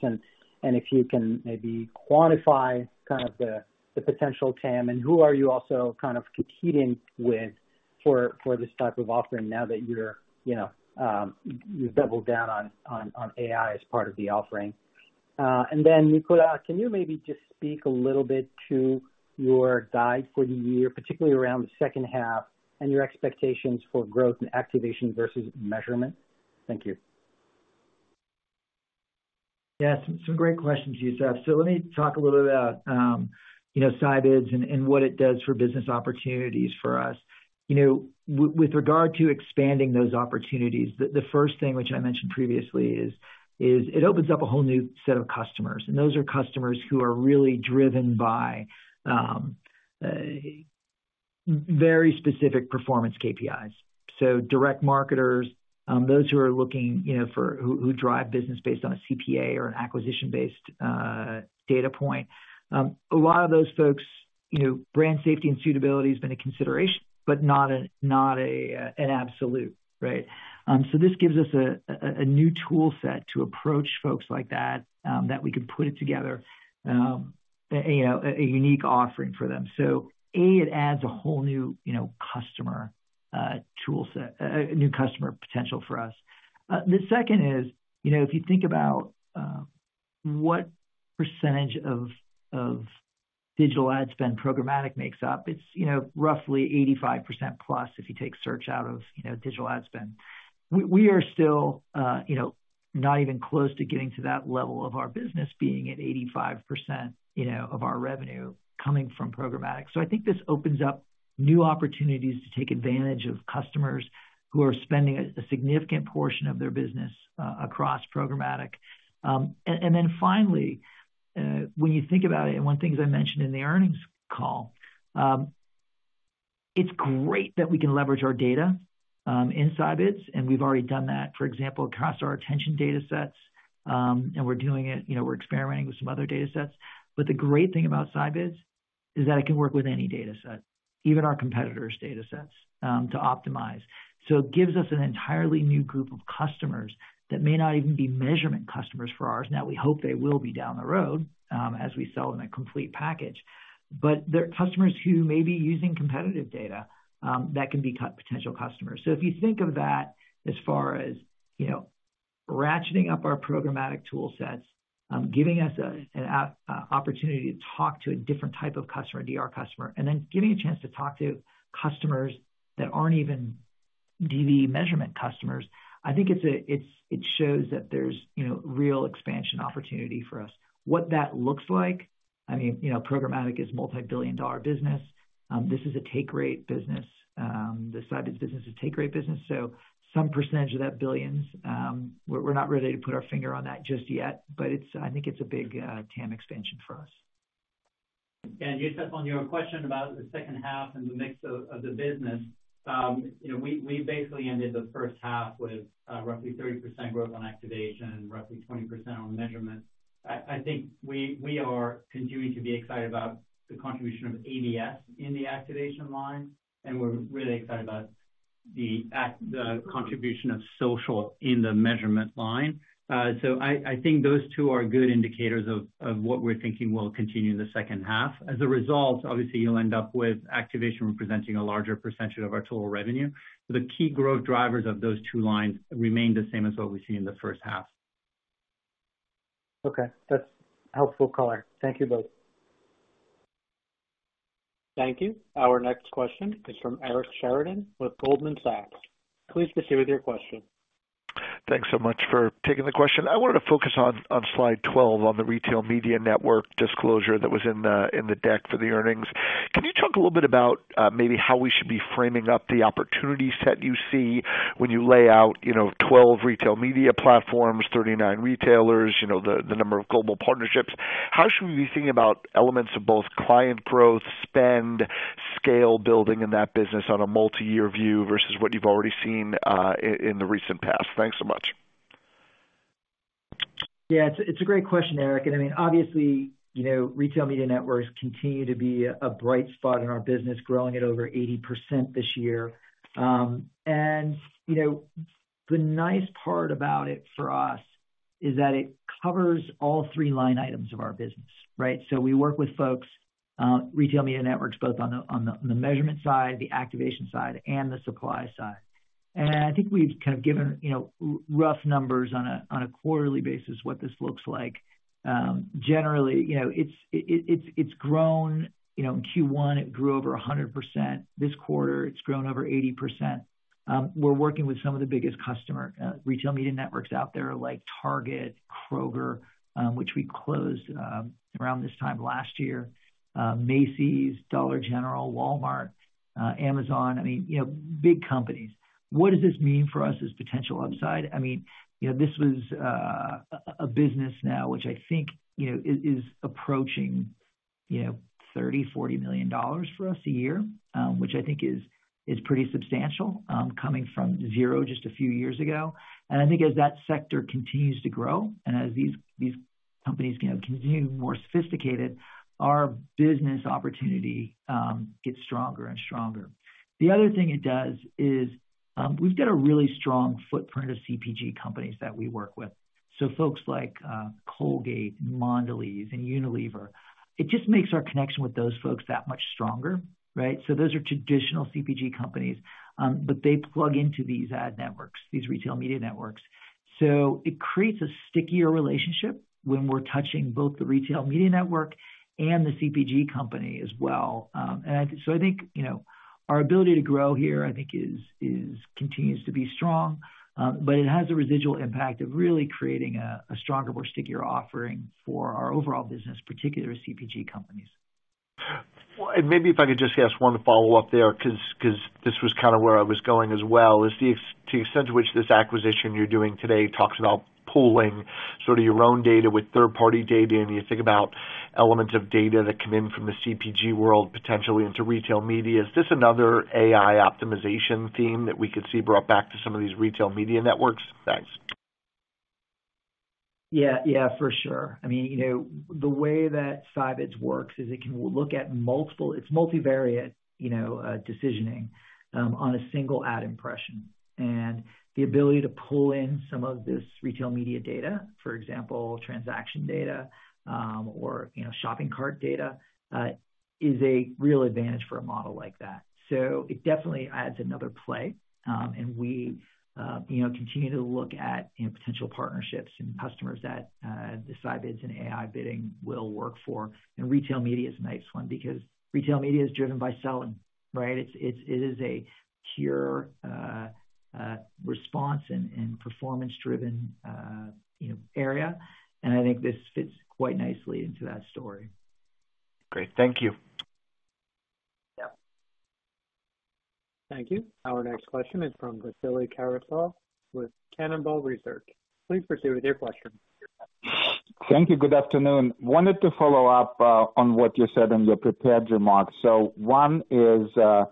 And if you can maybe quantify kind of the, the potential TAM, and who are you also kind of competing with for, for this type of offering now that you're, you know, you've doubled down on, on, on AI as part of the offering? Nicola, can you maybe just speak a little bit to your guide for the year, particularly around the second half, and your expectations for growth and Activation vs Measurement? Thank you. Yeah, some, some great questions, Youssef. Let me talk a little about, you know, Scibids and, and what it does for business opportunities for us. You know, with regard to expanding those opportunities, the first thing which I mentioned previously is, it opens up a whole new set of customers, and those are customers who are really driven by very specific performance KPIs. Direct marketers, those who are looking, you know, for... Who drive business based on a CPA or an acquisition-based data point. A lot of those folks, you know, brand safety and suitability has been a consideration, but not a, not a, an absolute, right? This gives us a new toolset to approach folks like that, that we can put it together, you know, a unique offering for them. A, it adds a whole new, you know, customer toolset, a new customer potential for us. The second is, you know, if you think about what % of digital ad spend programmatic makes up, it's, you know, roughly 85%+, if you take search out of, you know, digital ad spend. We are still, you know, not even close to getting to that level of our business, being at 85%, you know, of our revenue coming from programmatic. I think this opens up new opportunities to take advantage of customers who are spending a significant portion of their business a- across programmatic. Then finally, when you think about it, and one thing, as I mentioned in the earnings call, it's great that we can leverage our data in Scibids, and we've already done that, for example, across our attention datasets. We're doing it, you know, we're experimenting with some other datasets. The great thing about Scibids is that it can work with any dataset, even our competitors' datasets, to optimize. It gives us an entirely new group of customers that may not even be measurement customers for ours. We hope they will be down the road, as we sell them a complete package. They're customers who may be using competitive data, that can be cut potential customers. If you think of that as far as, you know, ratcheting up our programmatic tool sets, giving us an opportunity to talk to a different type of customer, a DR customer, and then giving a chance to talk to customers that aren't even DV Measurement customers, I think it shows that there's, you know, real expansion opportunity for us. What that looks like, I mean, you know, programmatic is multi-billion-dollar business. This is a take rate business. The Scibids business is a take rate business, so some % of that billions, we're not ready to put our finger on that just yet, but it's, I think it's a big TAM expansion for us. Youssef, on your question about the second half and the mix of, of the business. You know, we, we basically ended the first half with, roughly 30% growth on Activation and roughly 20% on Measurement. I, I think we, we are continuing to be excited about the contribution of ABS in the Activation line, and we're really excited about the contribution of social in the Measurement line. I, I think those two are good indicators of, of what we're thinking will continue in the second half. As a result, obviously, you'll end up with Activation representing a larger % of our total revenue. The key growth drivers of those two lines remain the same as what we've seen in the first half. Okay, that's helpful color. Thank you both. Thank you. Our next question is from Eric Sheridan with Goldman Sachs. Please proceed with your question. Thanks so much for taking the question. I wanted to focus on, on slide 12, on the retail media network disclosure that was in the, in the deck for the earnings. Can you talk a little bit about, maybe how we should be framing up the opportunity set you see when you lay out, you know, 12 retail media platforms, 39 retailers, you know, the, the number of global partnerships? How should we be thinking about elements of both client growth, spend, scale building in that business on a multi-year view vs what you've already seen, in, in the recent past? Thanks so much. Yeah, it's a great question, Eric. I mean, obviously, you know, Retail Media Networks continue to be a bright spot in our business, growing at over 80% this year. You know, the nice part about it for us is that it covers all three line items of our business, right? We work with folks, Retail Media Networks, both on the Measurement side, the Activation side, and the Supply-Side. I think we've kind of given, you know, rough numbers on a quarterly basis, what this looks like. Generally, you know, it's grown. You know, in Q1, it grew over 100%. This quarter, it's grown over 80%. Some of the biggest customer, Retail Media Networks out there, like Target, Kroger, which we closed around this time last year, Macy's, Dollar General, Walmart, Amazon. I mean, you know, big companies. What does this mean for us as potential upside? I mean, you know, this was a business now, which I think, you know, is approaching, you know, $30 million-$40 million for us a year, which I think is pretty substantial, coming from zero just a few years ago. As that sector continues to grow, and as these, these companies, you know, continue to be more sophisticated, our business opportunity gets stronger and stronger. The other thing it does is, we've got a really strong footprint of CPG companies that we work with. Folks like Colgate, Mondelēz, and Unilever, it just makes our connection with those folks that much stronger, right? Those are traditional CPG companies, but they plug into these ad networks, these Retail Media Networks. It creates a stickier relationship when we're touching both the Retail Media Network and the CPG company as well. I think, you know, our ability to grow here, I think, continues to be strong, but it has a residual impact of really creating a, a stronger, more stickier offering for our overall business, particularly CPG companies. Maybe if I could just ask one follow-up there, 'cause, 'cause this was kind of where I was going as well, is to the extent to which this acquisition you're doing today talks about pooling sort of your own data with third-party data, and you think about elements of data that come in from the CPG world, potentially into Retail Media. Is this another AI optimization theme that we could see brought back to some of these Retail Media Networks? Thanks. Yeah, yeah, for sure. I mean, you know, the way that Scibids works is it can look at multiple... It's multivariate, you know, decisioning on a single ad impression. The ability to pull in some of this retail media data, for example, transaction data, or, you know, shopping cart data, is a real advantage for a model like that. So it definitely adds another play. We've, you know, continued to look at, you know, potential partnerships and customers that the Scibids and AI bidding will work for. Retail media is a nice one because retail media is driven by selling, right? It's, it's, it is a pure response and performance-driven, you know, area, and I think this fits quite nicely into that story. Great. Thank you. Yeah. Thank you. Our next question is from Vasily Karasyov with Cannonball Research. Please proceed with your question. Thank you. Good afternoon. Wanted to follow up on what you said in your prepared remarks. One is, I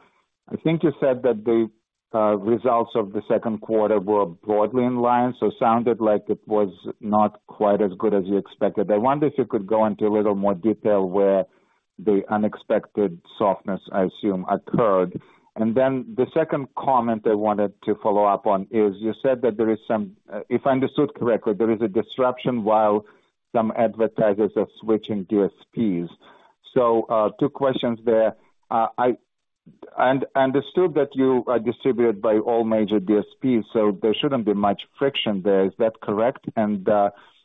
think you said that the results of the second quarter were broadly in line, so sounded like it was not quite as good as you expected. I wonder if you could go into a little more detail where the unexpected softness, I assume, occurred. Then the second comment I wanted to follow up on is, you said that there is some... If I understood correctly, there is a disruption while some advertisers are switching DSPs. Two questions there. I understood that you are distributed by all major DSPs, so there shouldn't be much friction there. Is that correct?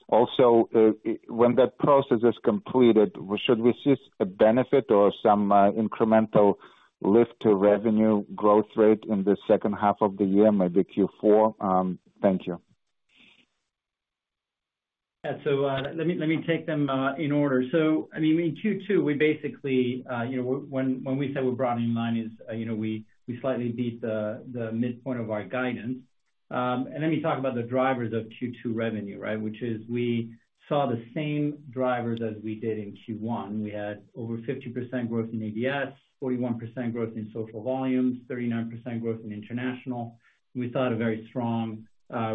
Also, when that process is completed, should we see a benefit or some incremental lift to revenue growth rate in the second half of the year, maybe Q4? Thank you. Yeah, let me, let me take them in order. I mean, in Q2, we basically, you know, when, when we say we're brought in line, is, you know, we, we slightly beat the midpoint of our guidance. Let me talk about the drivers of Q2 revenue, right? Which is we saw the same drivers as we did in Q1. We had over 50% growth in ABS, 41% growth in social volumes, 39% growth in international. We saw a very strong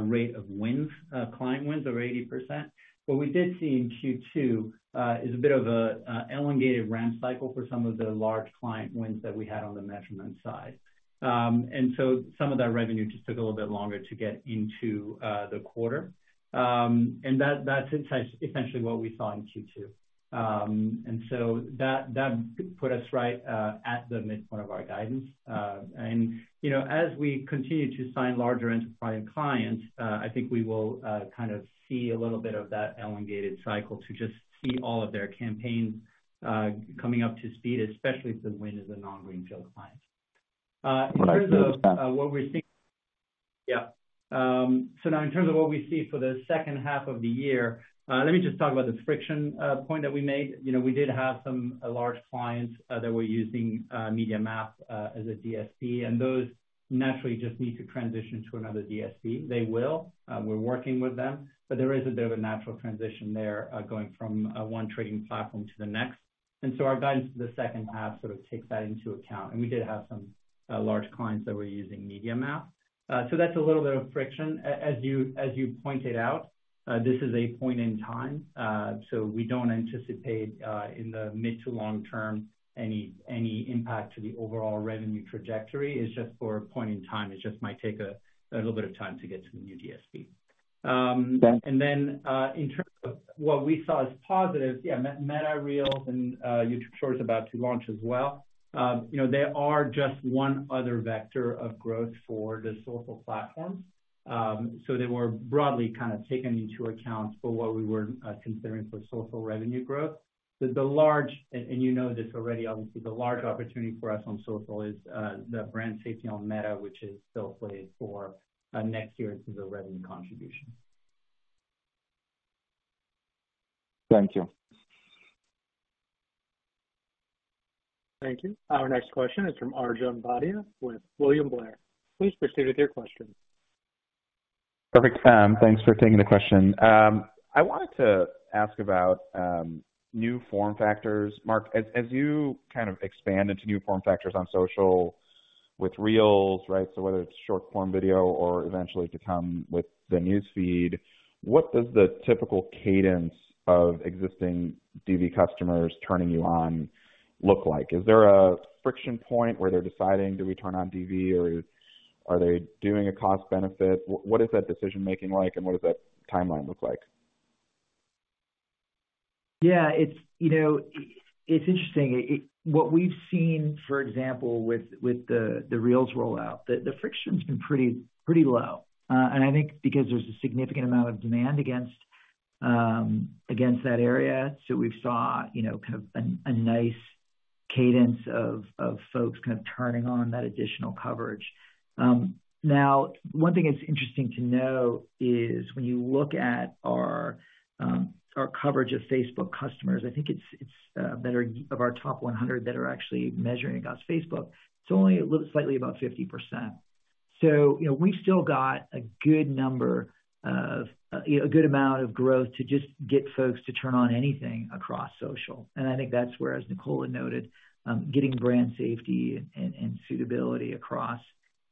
rate of wins, client wins over 80%. What we did see in Q2 is a bit of a, a elongated ramp cycle for some of the large client wins that we had on the Measurement side. Some of that revenue just took a little bit longer to get into the quarter. That's essentially what we saw in Q2. That put us right at the midpoint of our guidance. You know, as we continue to sign larger enterprise clients, I think we will kind of see a little bit of that elongated cycle to just see all of their campaigns coming up to speed, especially if the win is a non-greenfield client. In terms of what we're seeing. In terms of what we see for the second half of the year, let me just talk about the friction point that we made. You know, we did have some, large clients, that were using, MediaMath, as a DSP, and those naturally just need to transition to another DSP. They will, we're working with them, but there is a bit of a natural transition there, going from, one trading platform to the next. So our guidance for the second half sort of takes that into account. We did have some, large clients that were using MediaMath. So that's a little bit of friction. As you, as you pointed out, this is a point in time, so we don't anticipate, in the mid to long term, any, any impact to the overall revenue trajectory. It's just for a point in time, it just might take a, a little bit of time to get to the new DSP. In terms of what we saw as positive, yeah, Meta Reels and YouTube Shorts about to launch as well. You know, they are just 1 other vector of growth for the social platforms. They were broadly kind of taken into account for what we were considering for social revenue growth. You know this already, obviously, the large opportunity for us on social is the brand safety on Meta, which is still played for next year into the revenue contribution. Thank you. Thank you. Our next question is from Arjun Bhatia with William Blair. Please proceed with your question. Perfect, thanks for taking the question. I wanted to ask about new form factors. Mark, as, as you kind of expand into new form factors on social with Reels, right? Whether it's short form video or eventually to come with the news feed, what does the typical cadence of existing DV customers turning you on look like? Is there a friction point where they're deciding, do we turn on DV or are they doing a cost benefit? What is that decision-making like, and what does that timeline look like? Yeah, it's, you know, it, it's interesting. What we've seen, for example, with, with the, the Reels rollout, the, the friction's been pretty, pretty low. I think because there's a significant amount of demand against, against that area, so we've saw, you know, kind of a, a nice cadence of, of folks kind of turning on that additional coverage. Now, one thing that's interesting to know is when you look at our our coverage of Facebook customers, I think it's, it's, that are of our top 100 that are actually measuring across Facebook, it's only a little slightly above 50%. So, you know, we've still got a good number of, you know, a good amount of growth to just get folks to turn on anything across social. I think that's where, as Nicola noted, getting brand safety and suitability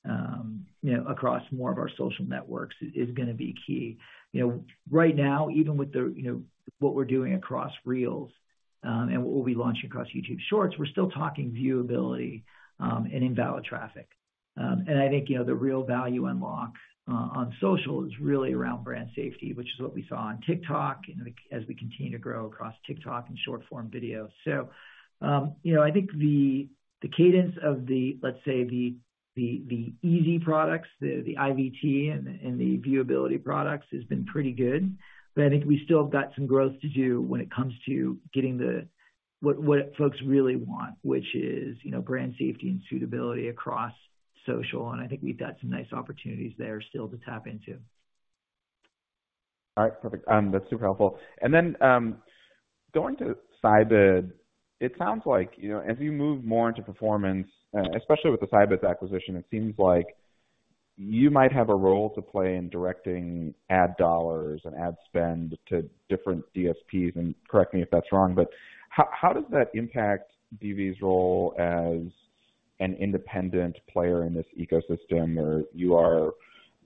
across, you know, across more of our social networks is gonna be key. You know, right now, even with the, you know, what we're doing across Reels, and what we'll be launching across YouTube Shorts, we're still talking viewability and invalid traffic. I think, you know, the real value unlock on social is really around brand safety, which is what we saw on TikTok and as we continue to grow across TikTok and short-form video. I think, you know, the cadence of the, let's say, the easy products, the IVT and the viewability products, has been pretty good. I think we still have got some growth to do when it comes to getting the... What folks really want, which is, you know, brand safety and suitability across social, and I think we've got some nice opportunities there still to tap into. All right. Perfect. That's super helpful. Going to Scibids, it sounds like, you know, as you move more into performance, especially with the Scibids acquisition, it seems like you might have a role to play in directing ad dollars and ad spend to different DSPs, and correct me if that's wrong, but how, how does that impact DV's role as an independent player in this ecosystem, where you are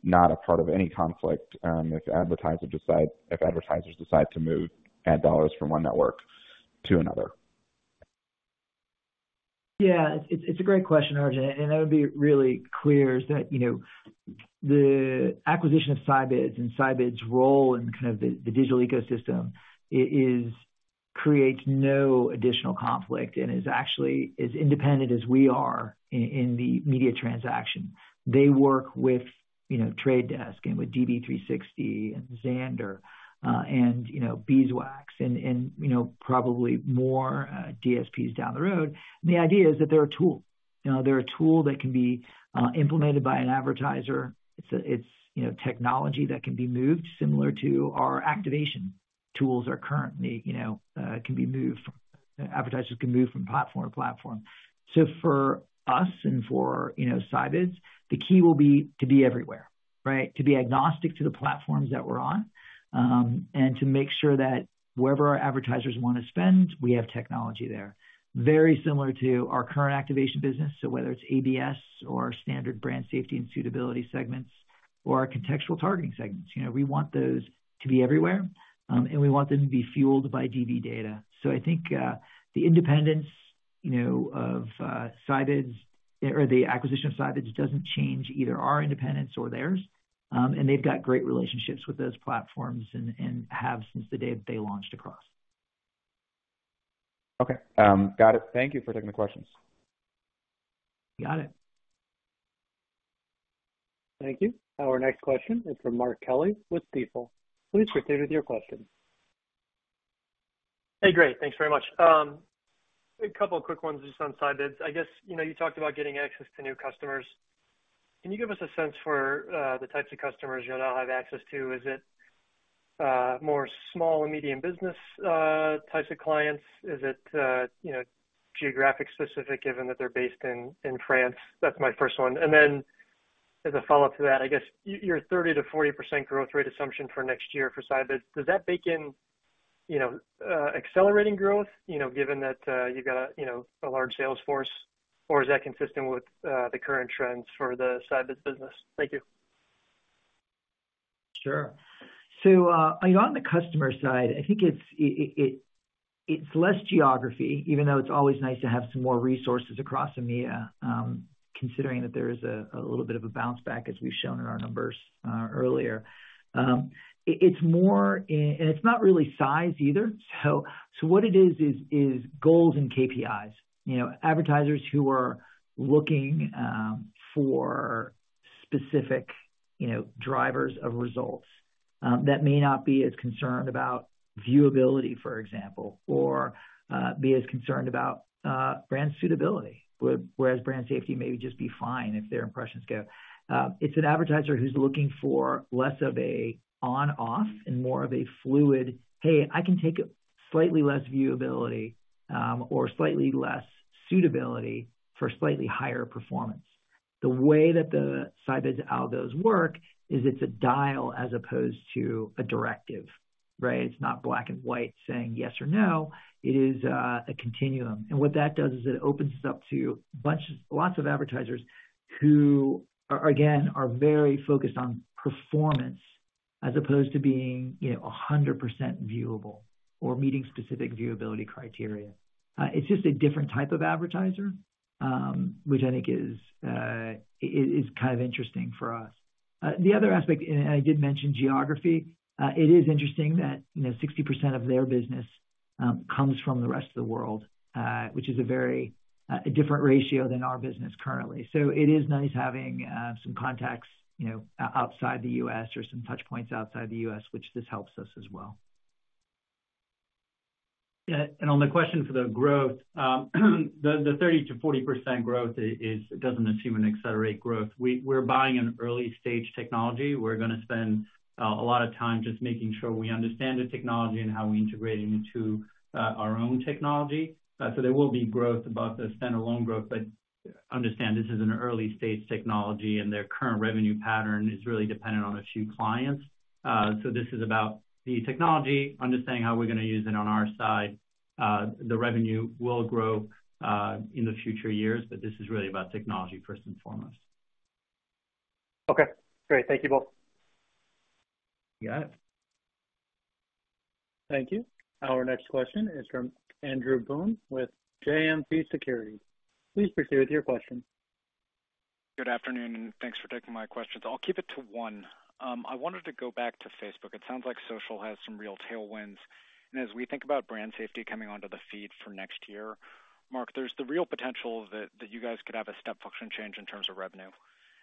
not a part of any conflict, if advertisers decide to move ad dollars from one network to another? Yeah, it's, it's a great question, Arjun, and I would be really clear is that, you know, the acquisition of Scibids and Scibids' role in kind of the digital ecosystem is, creates no additional conflict and is actually as independent as we are in the media transaction. They work with, you know, The Trade Desk and with DV360 and Xandr, and, you know, Beeswax and, and, you know, probably more DSPs down the road. The idea is that they're a tool. You know, they're a tool that can be implemented by an advertiser. It's technology that can be moved similar to our Activation tools are currently, you know, can be moved. Advertisers can move from platform to platform. So for us and for, you know, Scibids, the key will be to be everywhere, right? To be agnostic to the platforms that we're on, and to make sure that wherever our advertisers want to spend, we have technology there. Very similar to our current Activation business, so whether it's ABS or standard brand safety and suitability segments or our contextual targeting segments, you know, we want those to be everywhere, and we want them to be fueled by DV data. I think the independence, you know, of Scibids or the acquisition of Scibids doesn't change either our independence or theirs. They've got great relationships with those platforms and, and have since the day they launched across. Okay. Got it. Thank you for taking the questions. Got it. Thank you. Our next question is from Mark Kelley with Stifel. Please proceed with your question. Hey, great. Thanks very much. A couple of quick ones just on Scibids. I guess, you know, you talked about getting access to new customers. Can you give us a sense for the types of customers you'll now have access to? Is it more small and medium business types of clients? Is it, you know, geographic specific, given that they're based in, in France? That's my first one. Then as a follow-up to that, I guess your 30%-40% growth rate assumption for next year for Scibids, does that bake in, you know, accelerating growth, you know, given that you got a, you know, a large sales force? Or is that consistent with the current trends for the Scibids business? Thank you. Sure. You know, on the customer side, I think it's, it, it, it's less geography, even though it's always nice to have some more resources across EMEA, considering that there is a, a little bit of a bounce back, as we've shown in our numbers, earlier. It, it's more, it's not really size either. What it is, is, is goals and KPIs. You know, advertisers who are looking, for specific, you know, drivers of results, that may not be as concerned about viewability, for example, or, be as concerned about, brand suitability, whereas brand safety may just be fine if their impressions go. It's an advertiser who's looking for less of a on/off and more of a fluid: 'Hey, I can take slightly less viewability, or slightly less suitability for slightly higher performance.' The way that the Scibids algos work is it's a dial as opposed to a directive, right? It's not black and white, saying yes or no. It is a continuum. What that does is it opens us up to lots of advertisers who are, again, are very focused on performance, as opposed to being, you know, 100% viewable or meeting specific viewability criteria. It's just a different type of advertiser, which I think is, is, is kind of interesting for us. The other aspect, and I did mention geography. It is interesting that, you know, 60% of their business, comes from the rest of the world, which is a very, a different ratio than our business currently. It is nice having, some contacts, you know, outside the US or some touch points outside the U.S., which this helps us as well. Yeah, on the question for the growth, 30%-40% growth doesn't assume an accelerate growth. We're buying an early-stage technology. We're gonna spend a lot of time just making sure we understand the technology and how we integrate it into our own technology. There will be growth, but the stand-alone growth, but understand this is an early-stage technology, and their current revenue pattern is really dependent on a few clients. This is about the technology, understanding how we're gonna use it on our side. The revenue will grow in the future years, but this is really about technology first and foremost. Okay, great. Thank you both. You got it. Thank you. Our next question is from Andrew Boone with JMP Securities. Please proceed with your question. Good afternoon, thanks for taking my questions. I'll keep it to one. I wanted to go back to Facebook. It sounds like social has some real tailwinds, and as we think about brand safety coming onto the feed for next year, Mark, there's the real potential that you guys could have a step function change in terms of revenue.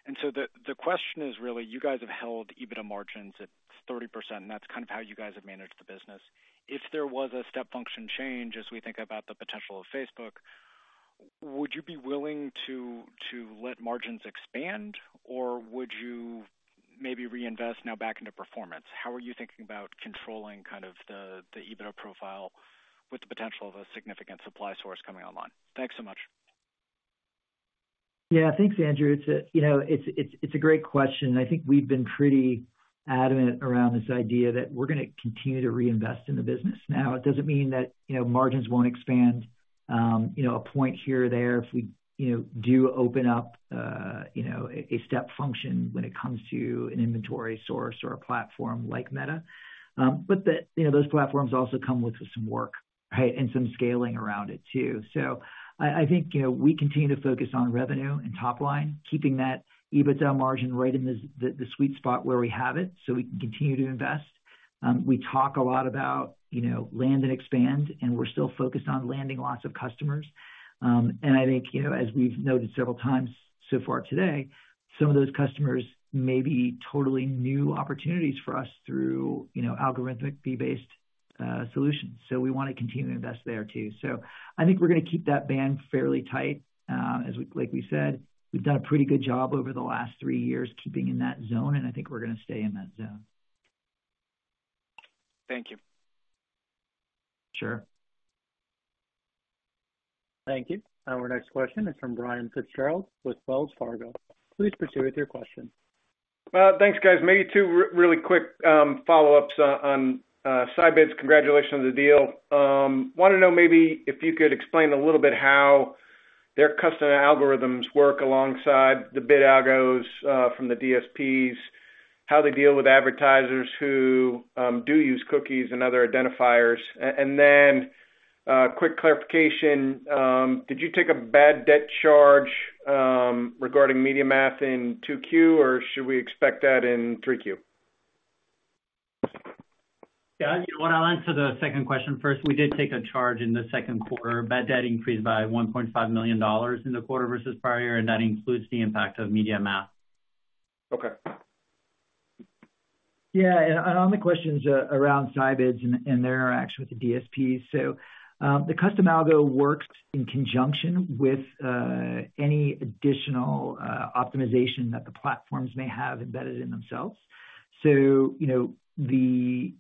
The question is really, you guys have held EBITDA margins at 30%, and that's kind of how you guys have managed the business. If there was a step function change, as we think about the potential of Facebook, would you be willing to let margins expand, or would you maybe reinvest now back into performance? How are you thinking about controlling kind of the EBITDA profile with the potential of a significant supply source coming online? Thanks so much. Yeah. Thanks, Andrew. It's, you know, it's a great question. I think we've been pretty adamant around this idea that we're gonna continue to reinvest in the business. Now, it doesn't mean that, you know, margins won't expand, you know, a point here or there if we, you know, do open up, you know, a step function when it comes to an inventory source or a platform like Meta. The, you know, those platforms also come with some work, right, and some scaling around it, too. I, I think, you know, we continue to focus on revenue and top line, keeping that EBITDA margin right in the sweet spot where we have it, so we can continue to invest. We talk a lot about, you know, land and expand, and we're still focused on landing lots of customers. I think, you know, as we've noted several times so far today, some of those customers may be totally new opportunities for us through, you know, algorithmic fee-based solutions. We want to continue to invest there, too. I think we're gonna keep that band fairly tight. Like we said, we've done a pretty good job over the last three years, keeping in that zone, and I think we're gonna stay in that zone. Thank you. Sure. Thank you. Our next question is from Brian FitzGerald with Wells Fargo. Please proceed with your question. Thanks, guys. Maybe two really quick follow-ups on Scibids. Congratulations on the deal. Want to know maybe if you could explain a little bit how their custom algorithms work alongside the bid algos from the DSPs, how they deal with advertisers who do use cookies and other identifiers? Then, quick clarification, did you take a bad debt charge regarding MediaMath in 2Q, or should we expect that in 3Q? Yeah, you know what? I'll answer the second question first. We did take a charge in the second quarter. Bad debt increased by $1.5 million in the quarter vs prior year. That includes the impact of MediaMath. Okay. Yeah, on the questions around Scibids and their interaction with the DSP. The custom algo works in conjunction with any additional optimization that the platforms may have embedded in themselves. You know, the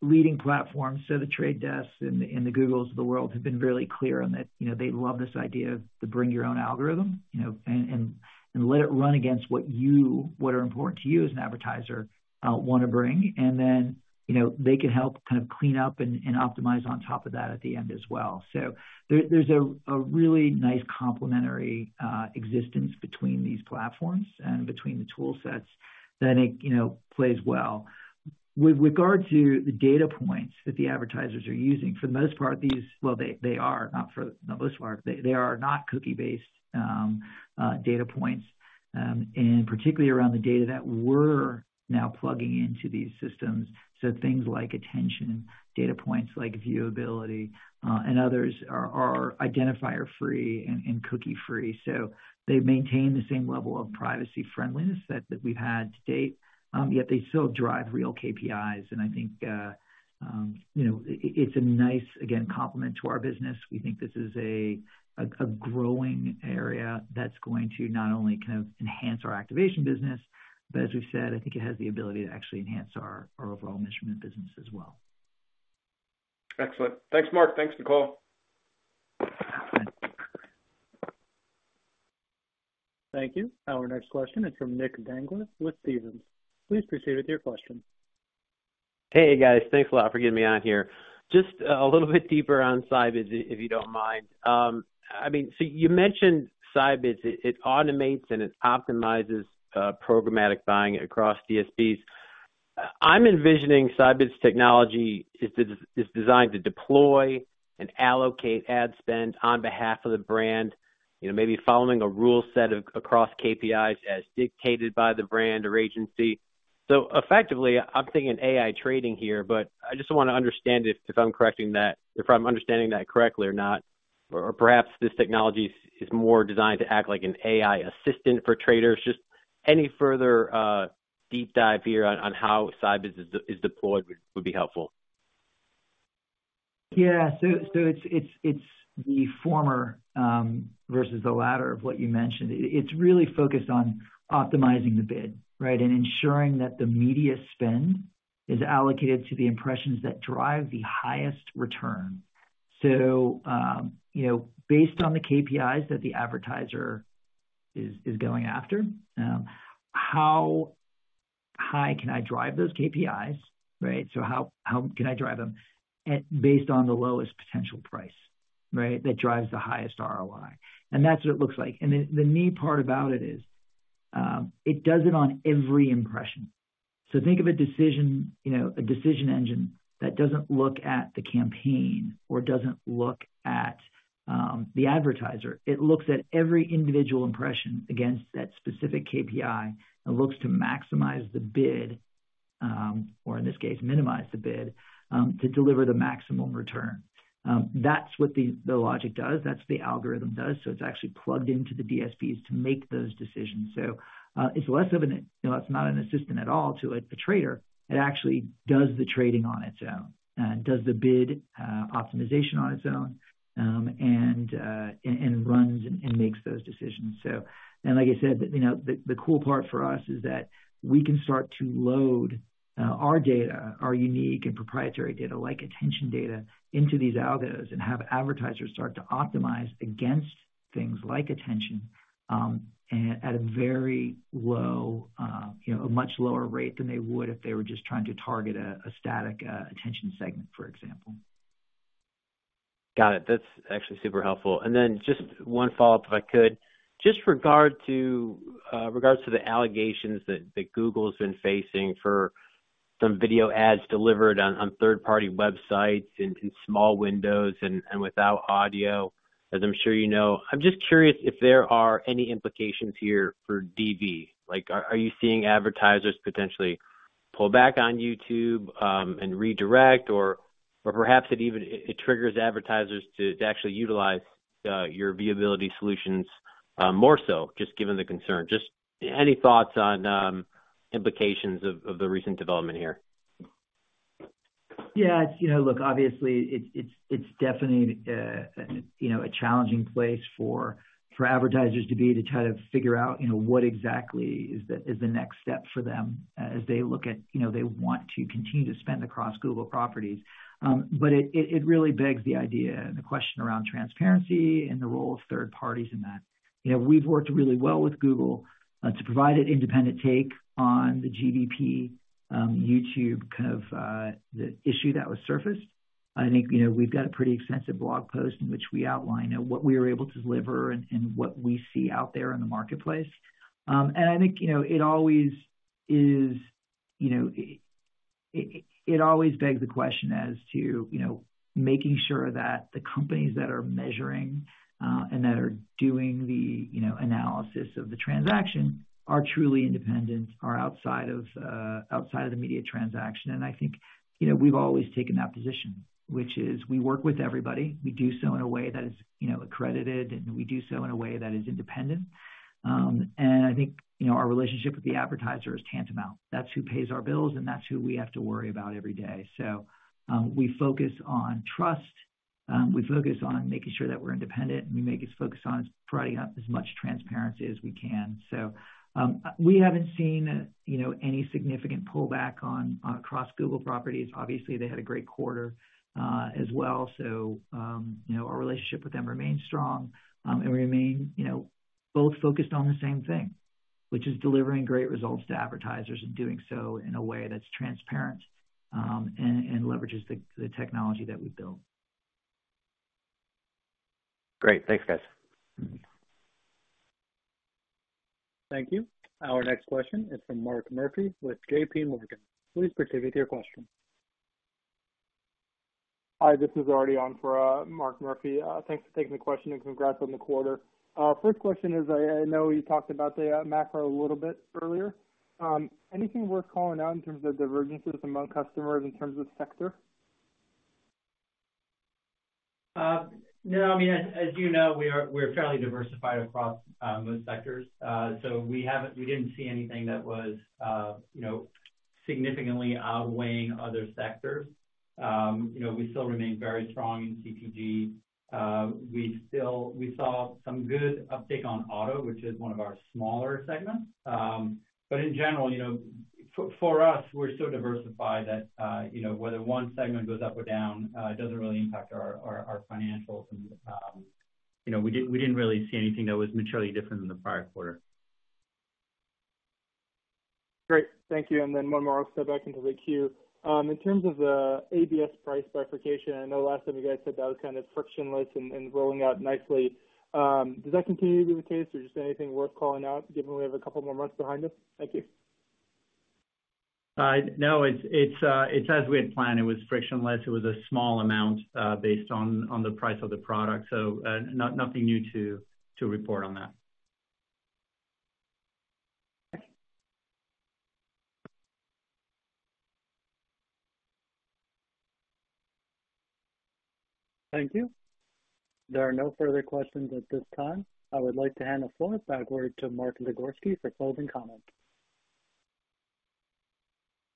leading platforms, so The Trade Desk and the Googles of the world, have been really clear on that. You know, they love this idea of the bring your own algorithm, you know, and let it run against what are important to you as an advertiser, want to bring. Then, you know, they can help kind of clean up and optimize on top of that at the end as well. There's a really nice complementary existence between these platforms and between the tool sets that I think, you know, plays well. With regard to the data points that the advertisers are using, for the most part, they, they are not for the most part, they, they are not cookie-based data points. Particularly around the data that we're now plugging into these systems. Things like attention, data points, like viewability, and others are identifier free and cookie free. They maintain the same level of privacy friendliness that we've had to date, yet they still drive real KPIs. I think, you know, it's a nice, again, complement to our business. We think this is a growing area that's going to not only kind of enhance our Activation business, but as we've said, I think it has the ability to actually enhance our overall Measurement business as well. Excellent. Thanks, Mark. Thanks, Nicola. Thank you. Our next question is from Nick D'Amato with Stephens. Please proceed with your question. Hey, guys, thanks a lot for getting me on here. Just a little bit deeper on Scibids, if you don't mind. I mean, you mentioned Scibids, it, it automates and it optimizes programmatic buying across DSPs. I'm envisioning Scibids technology is, is designed to deploy and allocate ad spend on behalf of the brand, you know, maybe following a rule set of across KPIs as dictated by the brand or agency. Effectively, I'm thinking AI trading here, but I just want to understand if, if I'm correcting that if I'm understanding that correctly or not. Perhaps this technology is, is more designed to act like an AI assistant for traders. Just any further deep dive here on, on how Scibids is, is deployed would, would be helpful. Yeah. So it's, it's, it's the former vs the latter of what you mentioned. It, it's really focused on optimizing the bid, right? Ensuring that the media spend is allocated to the impressions that drive the highest return. You know, based on the KPIs that the advertiser is, is going after, how high can I drive those KPIs, right? How, how can I drive them at, based on the lowest potential price, right? That drives the highest ROI. That's what it looks like. The, the neat part about it is, it does it on every impression. Think of a decision, you know, a decision engine that doesn't look at the campaign or doesn't look at the advertiser. It looks at every individual impression against that specific KPI and looks to maximize the bid, or in this case, minimize the bid, to deliver the maximum return. That's what the, the logic does, that's the algorithm does. It's actually plugged into the DSPs to make those decisions. It's less of an... It's not an assistant at all to a trader. It actually does the trading on its own, does the bid, optimization on its own, and, and runs and, and makes those decisions.... Like I said, the, you know, the, the cool part for us is that we can start to load our data, our unique and proprietary data, like attention data, into these algos, and have advertisers start to optimize against things like attention, and at a very low, you know, a much lower rate than they would if they were just trying to target a, a static, attention segment, for example. Got it. That's actually super helpful. Just one follow-up, if I could. Just regards to the allegations that Google's been facing for some video ads delivered on third-party websites and in small windows and without audio, as I'm sure you know. I'm just curious if there are any implications here for DV. Like, are you seeing advertisers potentially pull back on YouTube and redirect? Or perhaps it even triggers advertisers to actually utilize your viewability solutions more so, just given the concern. Just any thoughts on implications of the recent development here?... Yeah, you know, look, obviously, it's, it's, it's definitely, you know, a challenging place for, for advertisers to be, to try to figure out, you know, what exactly is the, is the next step for them as they look at, you know, they want to continue to spend across Google properties. It, it, it really begs the idea and the question around transparency and the role of third parties in that. You know, we've worked really well with Google, to provide an independent take on the GVP, YouTube kind of, the issue that was surfaced. I think, you know, we've got a pretty extensive blog post in which we outline, what we are able to deliver and, and what we see out there in the marketplace. I think, you know, it always is, you know, it, it, it always begs the question as to, you know, making sure that the companies that are measuring, and that are doing the, you know, analysis of the transaction are truly independent, are outside of, outside of the media transaction. I think, you know, we've always taken that position, which is we work with everybody. We do so in a way that is, you know, accredited, and we do so in a way that is independent. I think, you know, our relationship with the advertiser is tantamount. That's who pays our bills, and that's who we have to worry about every day. We focus on trust, we focus on making sure that we're independent, and we make it focus on providing up as much transparency as we can. We haven't seen, you know, any significant pullback on across Google properties. Obviously, they had a great quarter as well. Our relationship with them remains strong and remain, you know, both focused on the same thing, which is delivering great results to advertisers and doing so in a way that's transparent and leverages the technology that we've built. Great. Thanks, guys. Thank you. Our next question is from Mark Murphy with JPMorgan. Please proceed with your question. Hi, this is already on for Mark Murphy. Thanks for taking the question, and congrats on the quarter. First question is, I, I know you talked about the macro a little bit earlier. Anything worth calling out in terms of divergences among customers in terms of sector? No, I mean, as, as you know, we're fairly diversified across most sectors. We didn't see anything that was, you know, significantly outweighing other sectors. You know, we still remain very strong in CPG. We still. We saw some good uptick on auto, which is one of our smaller segments. In general, you know, for, for us, we're so diversified that, you know, whether one segment goes up or down, it doesn't really impact our, our, our financials. You know, we didn't, we didn't really see anything that was materially different than the prior quarter. Great. Thank you. Then one more, I'll step back into the queue. In terms of the ABS price bifurcation, I know last time you guys said that was kind of frictionless and, and rolling out nicely. Does that continue to be the case or just anything worth calling out, given we have a couple more months behind us? Thank you. No, it's, it's, it's as we had planned, it was frictionless. It was a small amount, based on, on the price of the product, so nothing new to report on that. Thanks. Thank you. There are no further questions at this time. I would like to hand the floor backward to Mark Zagorski for closing comments.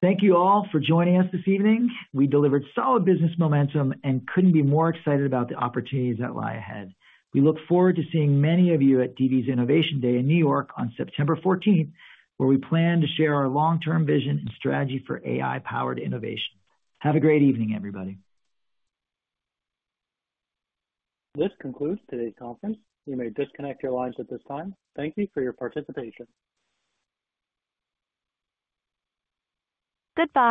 Thank you all for joining us this evening. We delivered solid business momentum and couldn't be more excited about the opportunities that lie ahead. We look forward to seeing many of you at DV's Innovation Day in New York on September 14th, where we plan to share our long-term vision and strategy for AI-powered innovation. Have a great evening, everybody. This concludes today's conference. You may disconnect your lines at this time. Thank you for your participation. Goodbye.